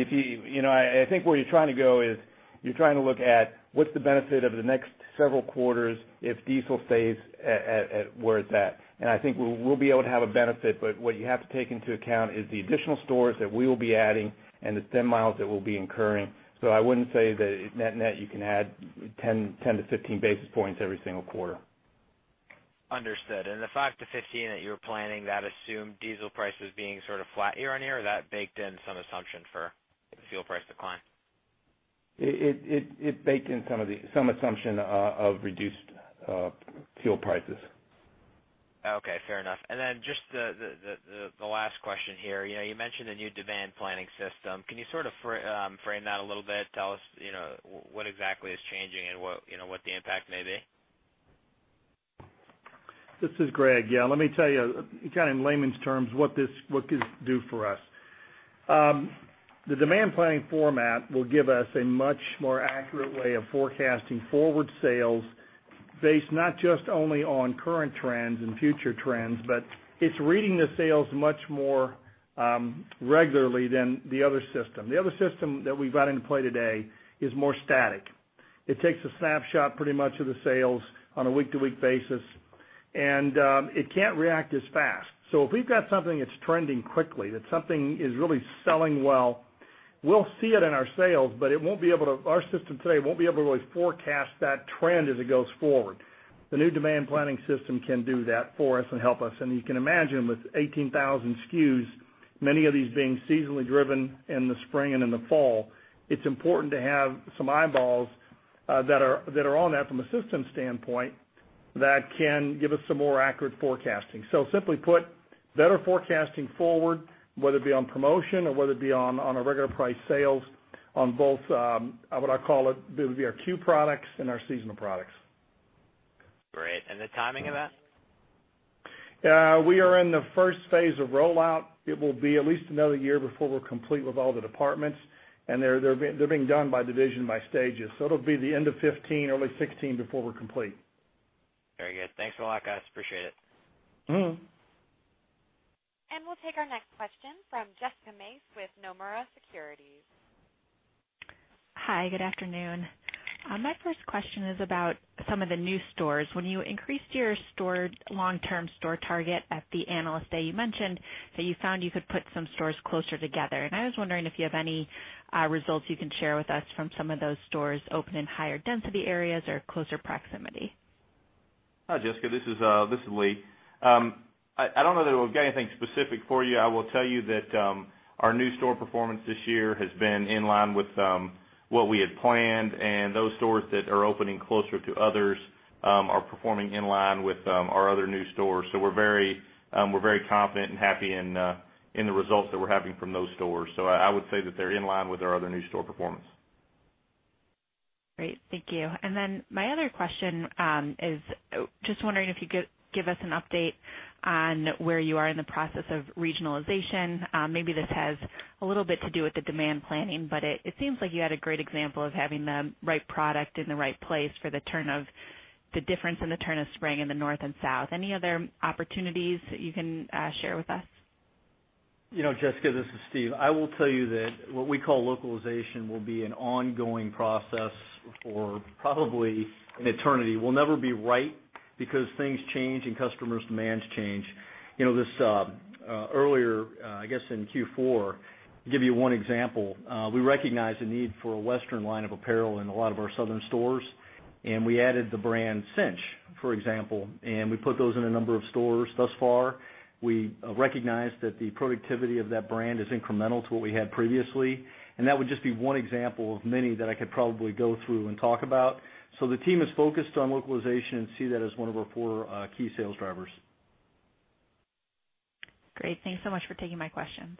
think where you're trying to go is you're trying to look at what's the benefit over the next several quarters if diesel stays at where it's at. I think we'll be able to have a benefit, but what you have to take into account is the additional stores that we will be adding and the stem miles that we'll be incurring. I wouldn't say that net-net, you can add 10 to 15 basis points every single quarter. Understood. The 5 to 15 that you were planning, that assumed diesel prices being sort of flat year-on-year? That baked in some assumption for fuel price decline? It baked in some assumption of reduced fuel prices. Okay. Fair enough. Just the last question here. You mentioned the new demand planning system. Can you sort of frame that a little bit? Tell us what exactly is changing and what the impact may be. This is Greg. Let me tell you, kind of in layman's terms, what this could do for us. The demand planning format will give us a much more accurate way of forecasting forward sales based not just only on current trends and future trends, but it's reading the sales much more regularly than the other system. The other system that we've got in play today is more static. It takes a snapshot pretty much of the sales on a week-to-week basis, and it can't react as fast. If we've got something that's trending quickly, that something is really selling well, we'll see it in our sales, but our system today won't be able to really forecast that trend as it goes forward. The new demand planning system can do that for us and help us. You can imagine with 18,000 SKUs, many of these being seasonally driven in the spring and in the fall, it's important to have some eyeballs that are on that from a system standpoint that can give us some more accurate forecasting. Simply put, better forecasting forward, whether it be on promotion or whether it be on our regular price sales on both, what I call it would be our C.U.E. products and our seasonal products. Great. The timing of that? We are in the first phase of rollout. It will be at least another year before we're complete with all the departments, and they're being done by division by stages. It will be the end of 2015, early 2016 before we're complete. Very good. Thanks a lot, guys. Appreciate it. We'll take our next question from Jessica Mace with Nomura Securities. Hi, good afternoon. My first question is about some of the new stores. When you increased your long-term store target at the Analyst Day, you mentioned that you found you could put some stores closer together. I was wondering if you have any results you can share with us from some of those stores open in higher density areas or closer proximity. Hi, Jessica. This is Lee. I don't know that we've got anything specific for you. I will tell you that our new store performance this year has been in line with what we had planned. Those stores that are opening closer to others are performing in line with our other new stores. We're very confident and happy in the results that we're having from those stores. I would say that they're in line with our other new store performance. Great. Thank you. My other question is just wondering if you could give us an update on where you are in the process of regionalization. Maybe this has a little bit to do with the demand planning, it seems like you had a great example of having the right product in the right place for the difference in the turn of spring in the North and South. Any other opportunities that you can share with us? Jessica, this is Steve. I will tell you that what we call localization will be an ongoing process for probably an eternity. We'll never be right because things change and customers' demands change. Earlier, I guess in Q4, to give you one example, we recognized the need for a Western line of apparel in a lot of our Southern stores. We added the brand Cinch, for example. We put those in a number of stores thus far. We recognize that the productivity of that brand is incremental to what we had previously. That would just be one example of many that I could probably go through and talk about. The team is focused on localization and see that as one of our four key sales drivers. Great. Thanks so much for taking my questions.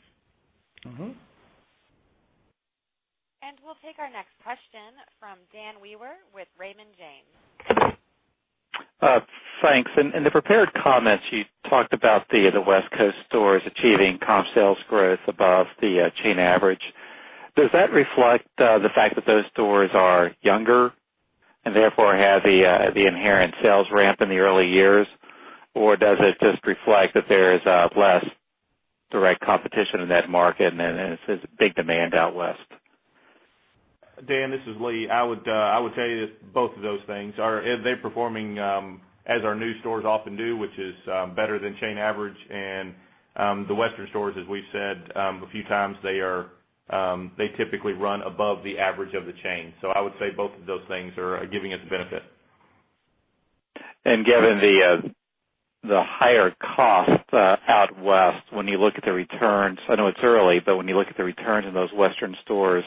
We'll take our next question from Dan Wewer with Raymond James. Thanks. In the prepared comments, you talked about the West Coast stores achieving comp sales growth above the chain average. Does that reflect the fact that those stores are younger and therefore have the inherent sales ramp in the early years? Or does it just reflect that there is less direct competition in that market and it's this big demand out West? Dan, this is Lee. I would say it's both of those things. They're performing as our new stores often do, which is better than chain average. The Western stores, as we've said a few times, they typically run above the average of the chain. I would say both of those things are giving us benefit. Given the higher cost out West when you look at the returns, I know it's early, but when you look at the returns in those Western stores,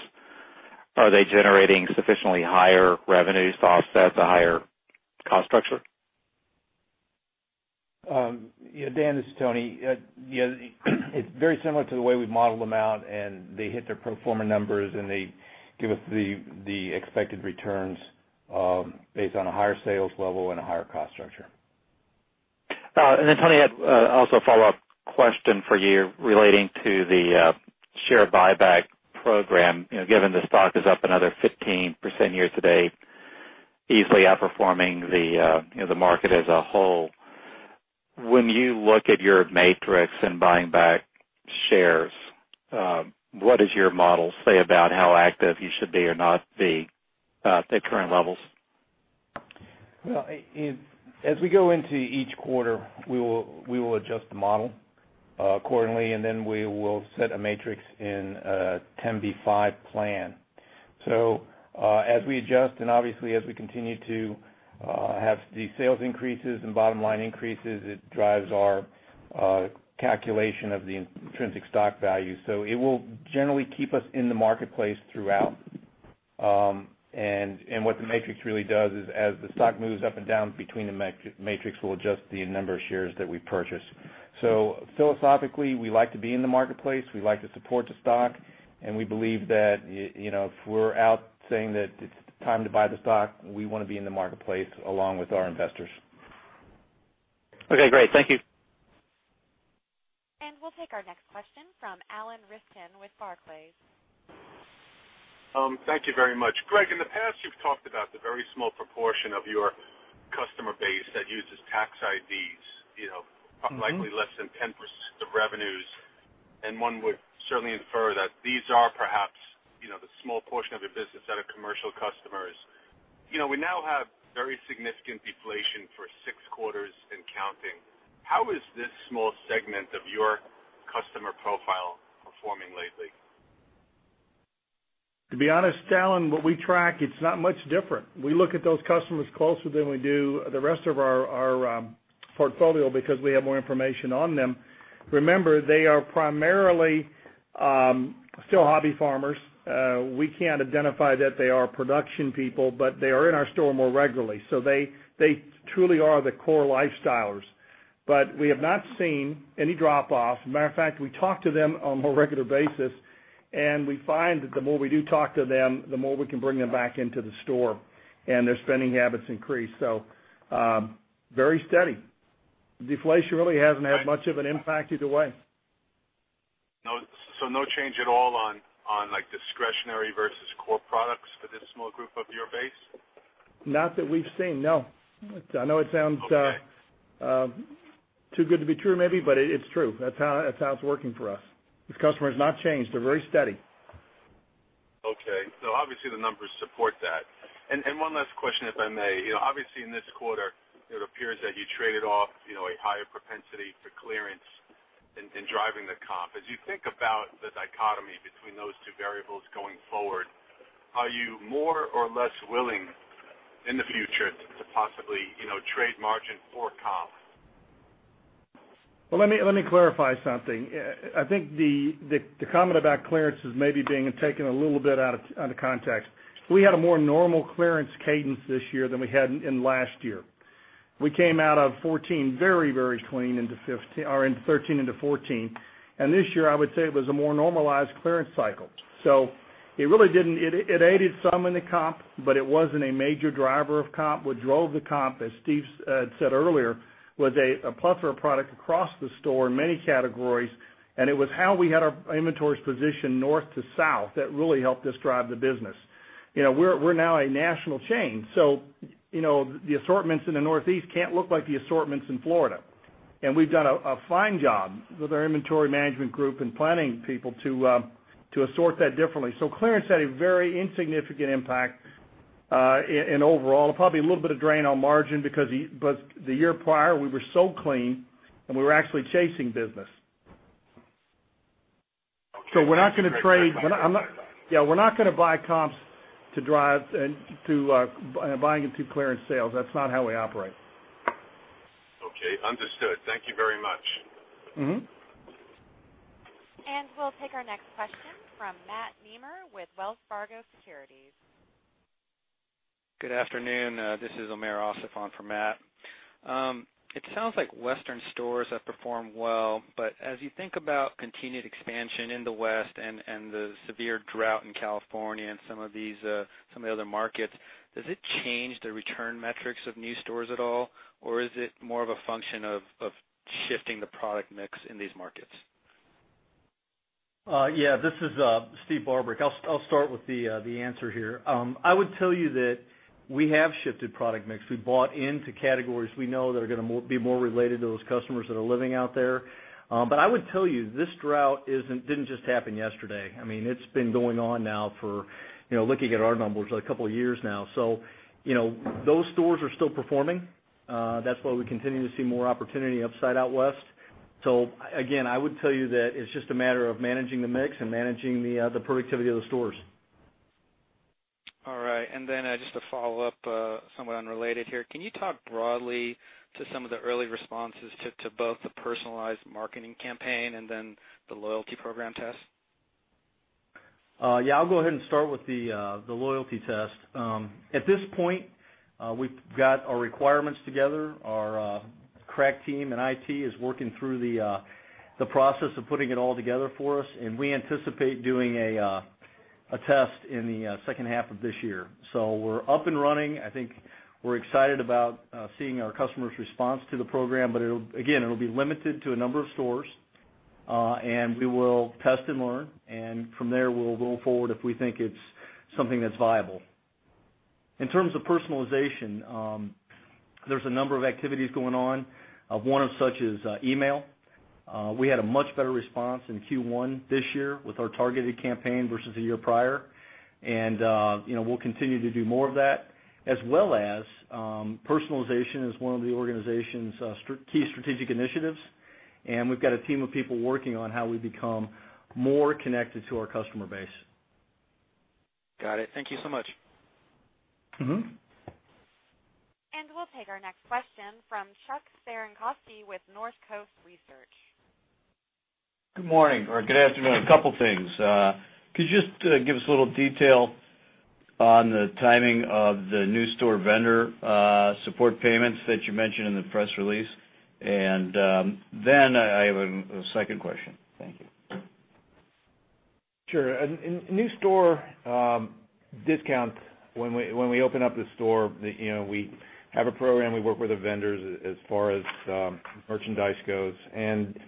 are they generating sufficiently higher revenues to offset the higher cost structure? Yeah, Dan Wewer, this is Tony Crudele. It's very similar to the way we've modeled them out. They hit their pro forma numbers. They give us the expected returns based on a higher sales level and a higher cost structure. Got it. Then, Tony Crudele, I had also a follow-up question for you relating to the share buyback program. Given the stock is up another 15% year to date, easily outperforming the market as a whole. When you look at your matrix and buying back shares, what does your model say about how active you should be or not be at the current levels? As we go into each quarter, we will adjust the model accordingly. Then we will set a matrix in a 10b5-1 plan. As we adjust, obviously as we continue to have the sales increases and bottom-line increases, it drives our calculation of the intrinsic stock value. It will generally keep us in the marketplace throughout. What the matrix really does is as the stock moves up and down between the matrix, we'll adjust the number of shares that we purchase. Philosophically, we like to be in the marketplace, we like to support the stock, and we believe that if we're out saying that it's time to buy the stock, we want to be in the marketplace along with our investors. Okay, great. Thank you. We'll take our next question from Alan Rifkin with Barclays. Thank you very much. Greg, in the past, you've talked about the very small proportion of your customer base that uses tax IDs. Likely less than 10% of revenues. One would certainly infer that these are perhaps the small portion of your business that are commercial customers. We now have very significant deflation for six quarters and counting. How is this small segment of your customer profile performing lately? To be honest, Alan, what we track, it's not much different. We look at those customers closer than we do the rest of our portfolio because we have more information on them. Remember, they are primarily still hobby farmers. We can't identify that they are production people, but they are in our store more regularly. They truly are the core lifestylers. We have not seen any drop-off. As a matter of fact, we talk to them on a more regular basis, and we find that the more we do talk to them, the more we can bring them back into the store and their spending habits increase. Very steady. Deflation really hasn't had much of an impact either way. No change at all on discretionary versus core products for this small group of your base? Not that we've seen, no. Okay too good to be true maybe, but it's true. That's how it's working for us. These customers have not changed. They're very steady. Okay. Obviously the numbers support that. One last question, if I may. In this quarter it appears that you traded off a higher propensity for clearance in driving the comp. As you think about the dichotomy between those two variables going forward, are you more or less willing in the future to possibly trade margin for comp? Well, let me clarify something. I think the comment about clearance is maybe being taken a little bit out of context. We had a more normal clearance cadence this year than we had in last year. We came out of 2014 very clean into 2013 into 2014. This year, I would say it was a more normalized clearance cycle. It aided some in the comp, but it wasn't a major driver of comp. What drove the comp, as Steve said earlier, was a plethora of product across the store in many categories, and it was how we had our inventories positioned north to south that really helped us drive the business. We're now a national chain, so the assortments in the Northeast can't look like the assortments in Florida. We've done a fine job with our inventory management group and planning people to assort that differently. Clearance had a very insignificant impact in overall. Probably a little bit of drain on margin because the year prior we were so clean and we were actually chasing business. We're not going to trade. We're not going to buy comps to drive and buying into clearance sales. That's not how we operate. Okay, understood. Thank you very much. We'll take our next question from Matt Nemer with Wells Fargo Securities. Good afternoon. This is Omer Asaf on for Matt. It sounds like western stores have performed well, but as you think about continued expansion in the West and the severe drought in California and some of the other markets, does it change the return metrics of new stores at all, or is it more of a function of shifting the product mix in these markets? This is Steve Barbarick. I'll start with the answer here. I would tell you that we have shifted product mix. We bought into categories we know that are going to be more related to those customers that are living out there. I would tell you, this drought didn't just happen yesterday. It's been going on now for, looking at our numbers, a couple of years now. Those stores are still performing. That's why we continue to see more opportunity upside out West. Again, I would tell you that it's just a matter of managing the mix and managing the productivity of the stores. All right. Then just a follow-up, somewhat unrelated here. Can you talk broadly to some of the early responses to both the personalized marketing campaign and the loyalty program test? Yeah, I'll go ahead and start with the loyalty test. At this point, we've got our requirements together. Our crack team in IT is working through the process of putting it all together for us, and we anticipate doing a test in the second half of this year. We're up and running. I think we're excited about seeing our customers' response to the program. Again, it'll be limited to a number of stores. We will test and learn, and from there, we'll go forward if we think it's something that's viable. In terms of personalization, there's a number of activities going on. One of such is email. We had a much better response in Q1 this year with our targeted campaign versus the year prior. We'll continue to do more of that, as well as personalization is one of the organization's key strategic initiatives, and we've got a team of people working on how we become more connected to our customer base. Got it. Thank you so much. We'll take our next question from Chuck Cerankosky with Northcoast Research. Good morning or good afternoon. Two things. Could you just give us a little detail on the timing of the new store vendor support payments that you mentioned in the press release? Then I have a second question. Thank you. Sure. New store discounts, when we open up the store, we have a program. We work with the vendors as far as merchandise goes, and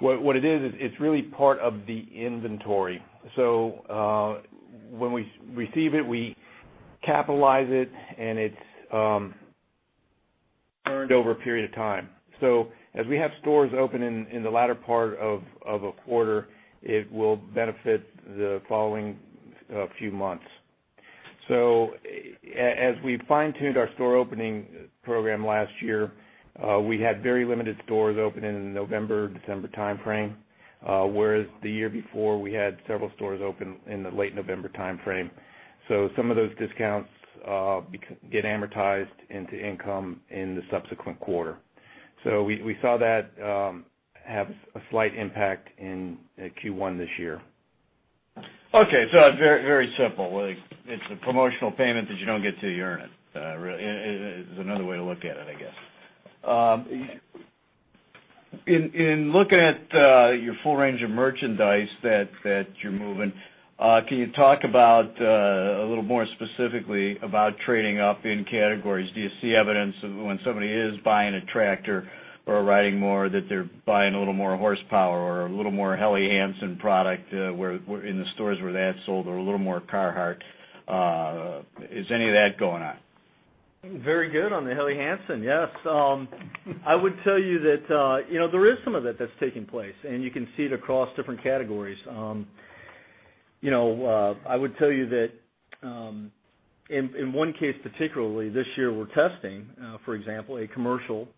what it is, it's really part of the inventory. When we receive it, we capitalize it, and it's earned over a period of time. As we have stores open in the latter part of a quarter, it will benefit the following few months. As we fine-tuned our store opening program last year, we had very limited stores opening in the November-December timeframe, whereas the year before, we had several stores open in the late November timeframe. Some of those discounts get amortized into income in the subsequent quarter. We saw that have a slight impact in Q1 this year. Okay. Very simple. It's a promotional payment that you don't get till you earn it. It's another way to look at it, I guess. In looking at your full range of merchandise that you're moving, can you talk about, a little more specifically, about trading up in categories? Do you see evidence of when somebody is buying a tractor or a riding mower, that they're buying a little more horsepower or a little more Helly Hansen product in the stores where that's sold or a little more Carhartt. Is any of that going on? Very good on the Helly Hansen. Yes. I would tell you that there is some of it that's taking place, and you can see it across different categories. I would tell you that in one case particularly, this year we're testing, for example, a commercial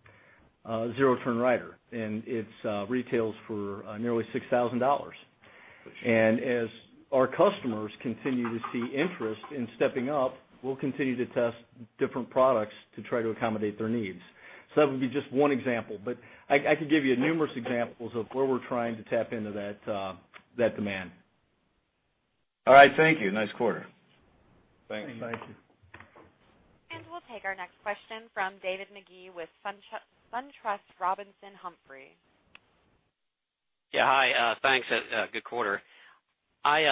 zero-turn rider, and it retails for nearly $6,000. As our customers continue to see interest in stepping up, we'll continue to test different products to try to accommodate their needs. That would be just one example, but I could give you numerous examples of where we're trying to tap into that demand. All right, thank you. Nice quarter. Thanks. Thank you. We'll take our next question from David Magee with SunTrust Robinson Humphrey. Yeah, hi. Thanks. Good quarter. I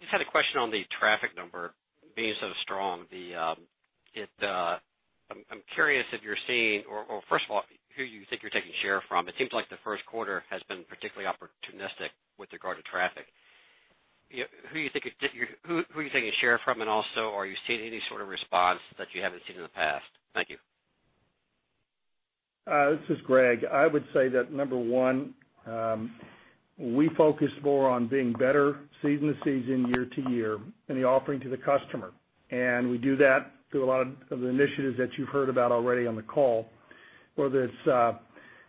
just had a question on the traffic number being so strong. I'm curious if you're seeing or first of all, who you think you're taking share from. It seems like the first quarter has been particularly opportunistic with regard to traffic. Who are you taking a share from? Also, are you seeing any sort of response that you haven't seen in the past? Thank you. This is Greg. I would say that number one, we focus more on being better season to season, year to year in the offering to the customer. We do that through a lot of the initiatives that you've heard about already on the call. Whether it's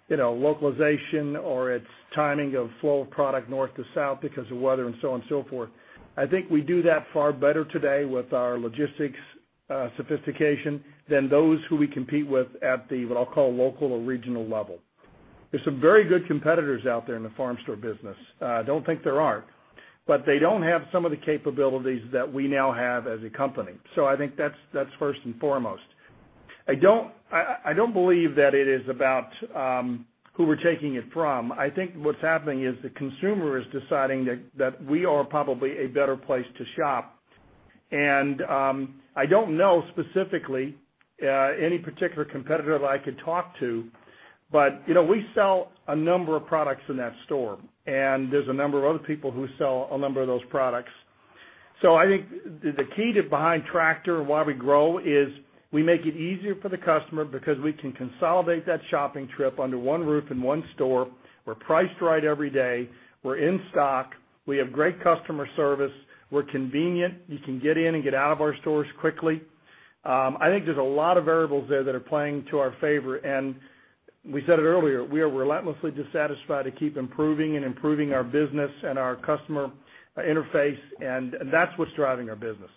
localization or it's timing of flow of product north to south because of weather and so on and so forth, I think we do that far better today with our logistics sophistication than those who we compete with at the, what I'll call local or regional level. There's some very good competitors out there in the farm store business. I don't think there aren't. They don't have some of the capabilities that we now have as a company. I think that's first and foremost. I don't believe that it is about who we're taking it from. I think what's happening is the consumer is deciding that we are probably a better place to shop. I don't know specifically any particular competitor that I could talk to, but we sell a number of products in that store. There's a number of other people who sell a number of those products. I think the key behind Tractor and why we grow is we make it easier for the customer because we can consolidate that shopping trip under one roof in one store. We're priced right every day. We're in stock. We have great customer service. We're convenient. You can get in and get out of our stores quickly. I think there's a lot of variables there that are playing to our favor. We said it earlier, we are relentlessly dissatisfied to keep improving and improving our business and our customer interface, and that's what's driving our business.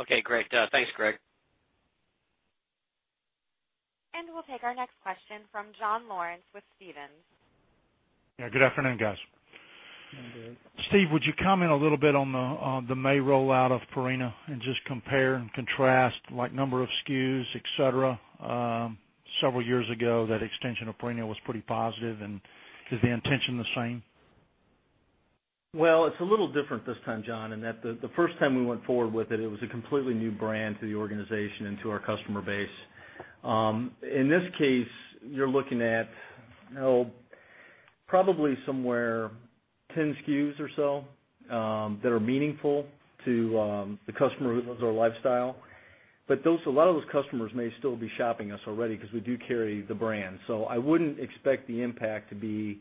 Okay, great. Thanks, Greg. We'll take our next question from John Lawrence with Stephens. Yeah, good afternoon, guys. Good afternoon. Steve, would you comment a little bit on the May rollout of Purina and just compare and contrast like number of SKUs, et cetera? Several years ago, that extension of Purina was pretty positive, is the intention the same? It's a little different this time, John, in that the first time we went forward with it was a completely new brand to the organization and to our customer base. In this case, you're looking at probably somewhere 10 SKUs or so that are meaningful to the customer who loves their lifestyle. A lot of those customers may still be shopping us already because we do carry the brand. I wouldn't expect the impact to be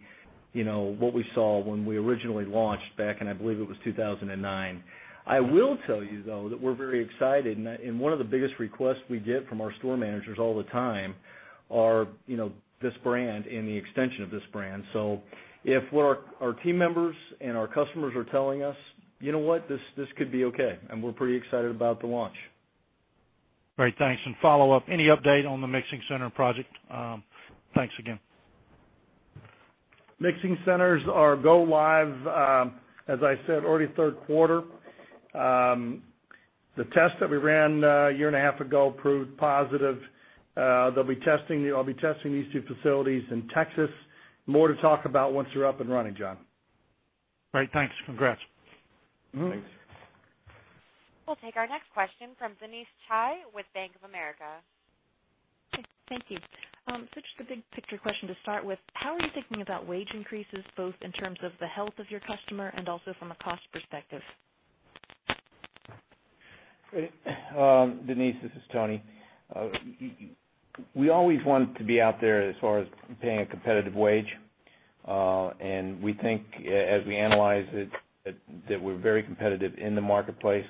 what we saw when we originally launched back in, I believe it was 2009. I will tell you, though, that we're very excited. One of the biggest requests we get from our store managers all the time are this brand and the extension of this brand. If our team members and our customers are telling us, you know what, this could be okay, and we're pretty excited about the launch. Great. Thanks, and follow-up, any update on the mixing center project? Thanks again. Mixing centers are go live as I said, already third quarter. The test that we ran a year and a half ago proved positive. I'll be testing these two facilities in Texas. More to talk about once they're up and running, John. Great. Thanks. Congrats. We'll take our next question from Denise Chai with Bank of America. Thank you. Just a big picture question to start with. How are you thinking about wage increases, both in terms of the health of your customer and also from a cost perspective? Great. Denise, this is Tony. We always want to be out there as far as paying a competitive wage. We think as we analyze it, that we're very competitive in the marketplace.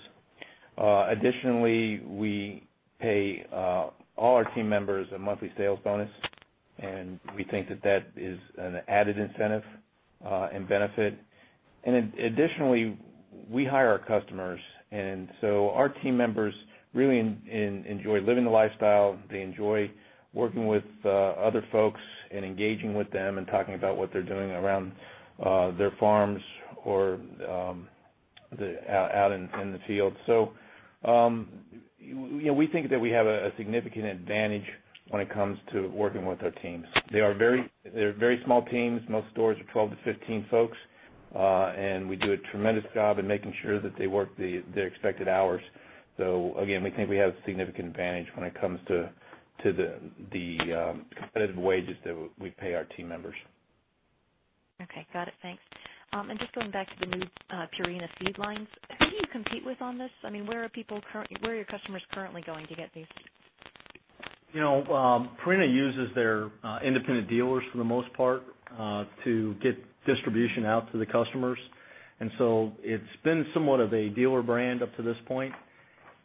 Additionally, we pay all our team members a monthly sales bonus, and we think that that is an added incentive and benefit. Additionally, we hire our customers, our team members really enjoy living the lifestyle. They enjoy working with other folks and engaging with them and talking about what they're doing around their farms or out in the field. We think that we have a significant advantage when it comes to working with our teams. They're very small teams. Most stores are 12 to 15 folks. We do a tremendous job in making sure that they work their expected hours. Again, we think we have a significant advantage when it comes to the competitive wages that we pay our team members. Okay. Got it. Thanks. Just going back to the new Purina feed lines, who do you compete with on this? Where are your customers currently going to get these feeds? Purina uses their independent dealers for the most part to get distribution out to the customers. It's been somewhat of a dealer brand up to this point.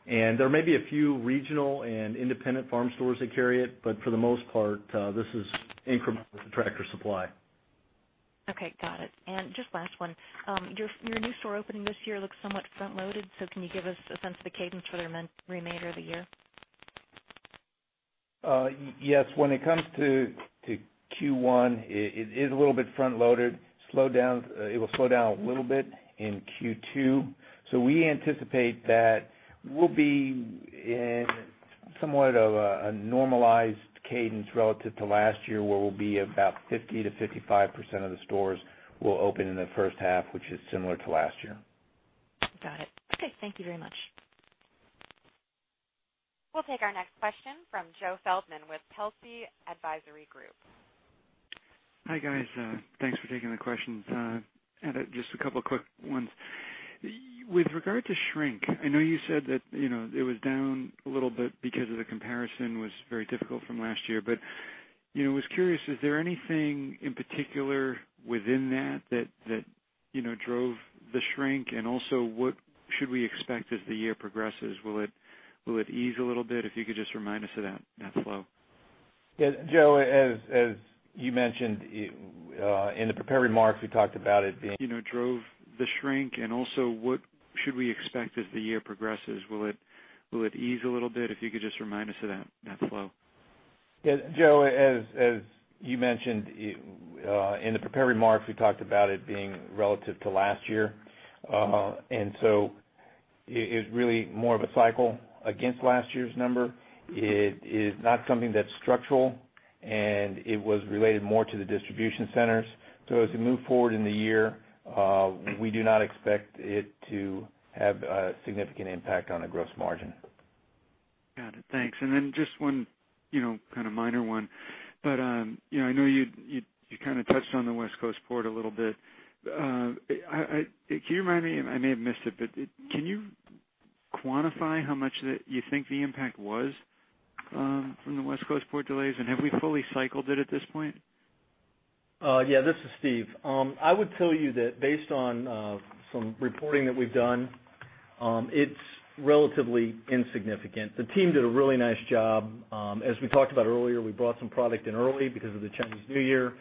There may be a few regional and independent farm stores that carry it, but for the most part this is incremental to Tractor Supply. Okay. Got it. Just last one. Your new store opening this year looks somewhat front-loaded, so can you give us a sense of the cadence for the remainder of the year? Yes, when it comes to Q1, it is a little bit front-loaded. It will slow down a little bit in Q2. We anticipate that we'll be in somewhat of a normalized cadence relative to last year, where we'll be about 50%-55% of the stores will open in the first half, which is similar to last year. Got it. Okay. Thank you very much. We'll take our next question from Joe Feldman with Telsey Advisory Group. Hi, guys. Thanks for taking the questions. I had just a couple quick ones. With regard to shrink, I know you said that it was down a little bit because of the comparison was very difficult from last year. I was curious, is there anything in particular within that drove the shrink? Also, what should we expect as the year progresses? Will it ease a little bit? If you could just remind us of that flow. Yeah, Joe, as you mentioned in the prepared remarks, we talked about it being Drove the shrink. Also, what should we expect as the year progresses? Will it ease a little bit? If you could just remind us of that flow. Yeah. Joe, as you mentioned in the prepared remarks, we talked about it being relative to last year. It is really more of a cycle against last year's number. It is not something that's structural, and it was related more to the distribution centers. As we move forward in the year, we do not expect it to have a significant impact on the gross margin. Got it. Thanks. Then just one kind of minor one. I know you touched on the West Coast port a little bit. Can you remind me? I may have missed it, but can you quantify how much that you think the impact was from the West Coast port delays, and have we fully cycled it at this point? Yeah. This is Steve. I would tell you that based on some reporting that we've done, it's relatively insignificant. The team did a really nice job. As we talked about earlier, we brought some product in early because of the Chinese New Year.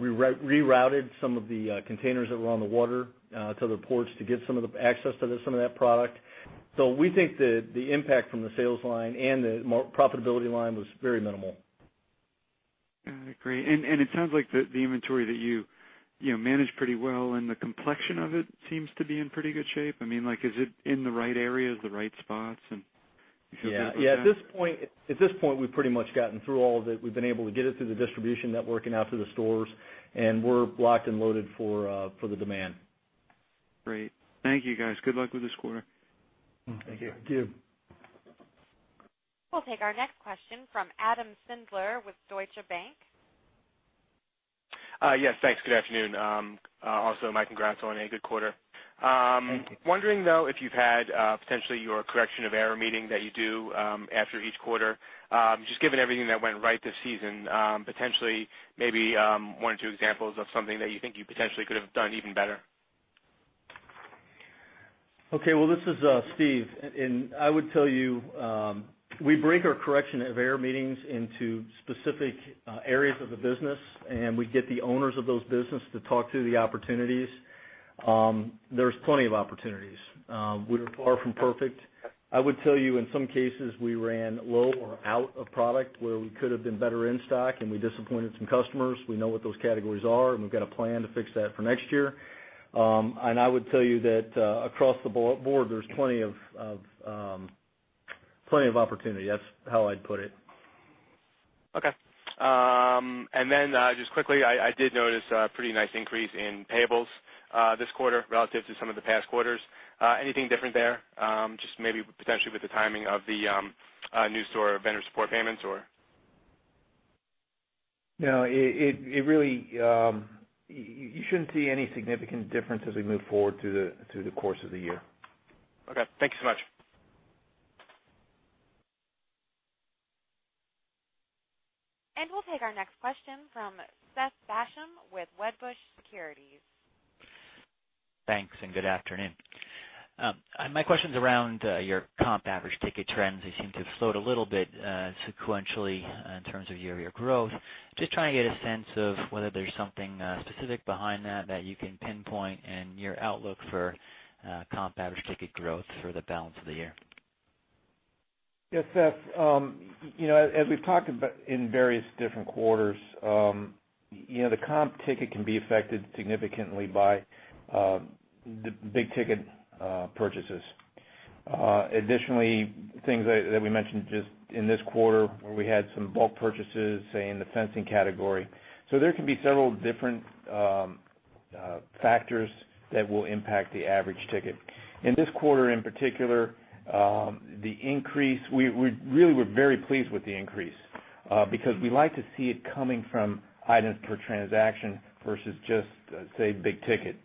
We rerouted some of the containers that were on the water to other ports to get some of the access to some of that product. We think that the impact from the sales line and the profitability line was very minimal. Got it. Great. It sounds like the inventory that you managed pretty well and the complexion of it seems to be in pretty good shape. Is it in the right areas, the right spots, and you feel good with that? Yeah. At this point, we've pretty much gotten through all of it. We've been able to get it through the distribution network and out to the stores, and we're blocked and loaded for the demand. Great. Thank you, guys. Good luck with this quarter. Thank you. Thank you. We'll take our next question from Adam Sindler with Deutsche Bank. Yes, thanks. Good afternoon. Also, my congrats on a good quarter. Thank you. Wondering, though, if you've had potentially your correction of error meeting that you do after each quarter. Just given everything that went right this season, potentially, maybe, one or two examples of something that you think you potentially could have done even better. Okay. Well, this is Steve. I would tell you, we break our correction of error meetings into specific areas of the business, and we get the owners of those business to talk through the opportunities. There's plenty of opportunities. We're far from perfect. I would tell you, in some cases, we ran low or out of product where we could have been better in stock, and we disappointed some customers. We know what those categories are, and we've got a plan to fix that for next year. I would tell you that, across the board, there's plenty of opportunity. That's how I'd put it. Okay. Then, just quickly, I did notice a pretty nice increase in payables this quarter relative to some of the past quarters. Anything different there? Just maybe potentially with the timing of the new store vendor support payments or No, you shouldn't see any significant difference as we move forward through the course of the year. Okay. Thank you so much. We'll take our next question from Seth Basham with Wedbush Securities. Thanks. Good afternoon. My question's around your comp average ticket trends. They seem to have slowed a little bit sequentially in terms of year-over-year growth. Just trying to get a sense of whether there's something specific behind that that you can pinpoint and your outlook for comp average ticket growth for the balance of the year. Yeah, Seth, as we've talked about in various different quarters, the comp ticket can be affected significantly by the big-ticket purchases. Additionally, things that we mentioned just in this quarter where we had some bulk purchases, say, in the fencing category. There can be several different factors that will impact the average ticket. In this quarter in particular, the increase, really, we're very pleased with the increase, because we like to see it coming from items per transaction versus just, say, big ticket.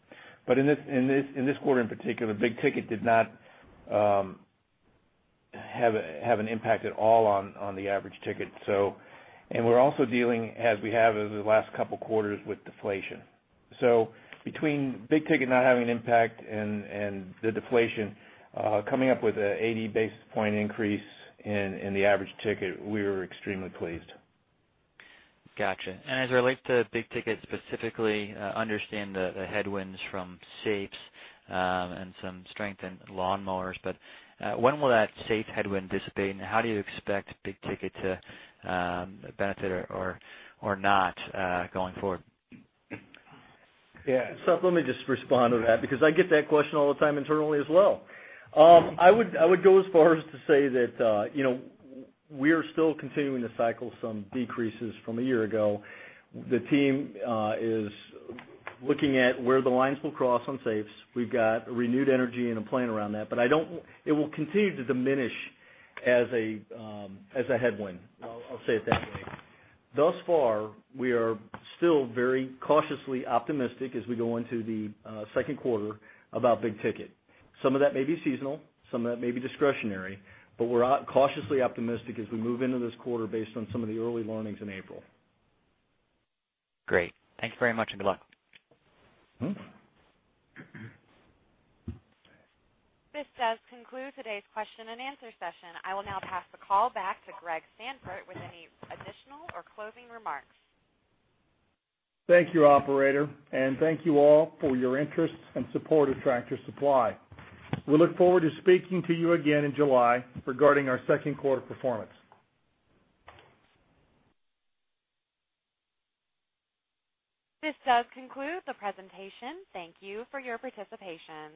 In this quarter in particular, big ticket did not have an impact at all on the average ticket. We're also dealing, as we have over the last couple of quarters, with deflation. Between big ticket not having an impact and the deflation, coming up with an 80 basis point increase in the average ticket, we were extremely pleased. Gotcha. As it relates to big ticket specifically, understand the headwinds from safes and some strength in lawnmowers, when will that safe headwind dissipate, and how do you expect big ticket to benefit or not, going forward? Seth, let me just respond to that because I get that question all the time internally as well. I would go as far as to say that we are still continuing to cycle some decreases from a year ago. The team is looking at where the lines will cross on safes. We've got renewed energy and a plan around that. It will continue to diminish as a headwind. I'll say it that way. Thus far, we are still very cautiously optimistic as we go into the second quarter about big ticket. Some of that may be seasonal, some of that may be discretionary, but we're cautiously optimistic as we move into this quarter based on some of the early learnings in April. Great. Thank you very much, and good luck. This does conclude today's question and answer session. I will now pass the call back to Greg Sandfort with any additional or closing remarks. Thank you, operator, and thank you all for your interest and support of Tractor Supply. We look forward to speaking to you again in July regarding our second quarter performance. This does conclude the presentation. Thank you for your participation.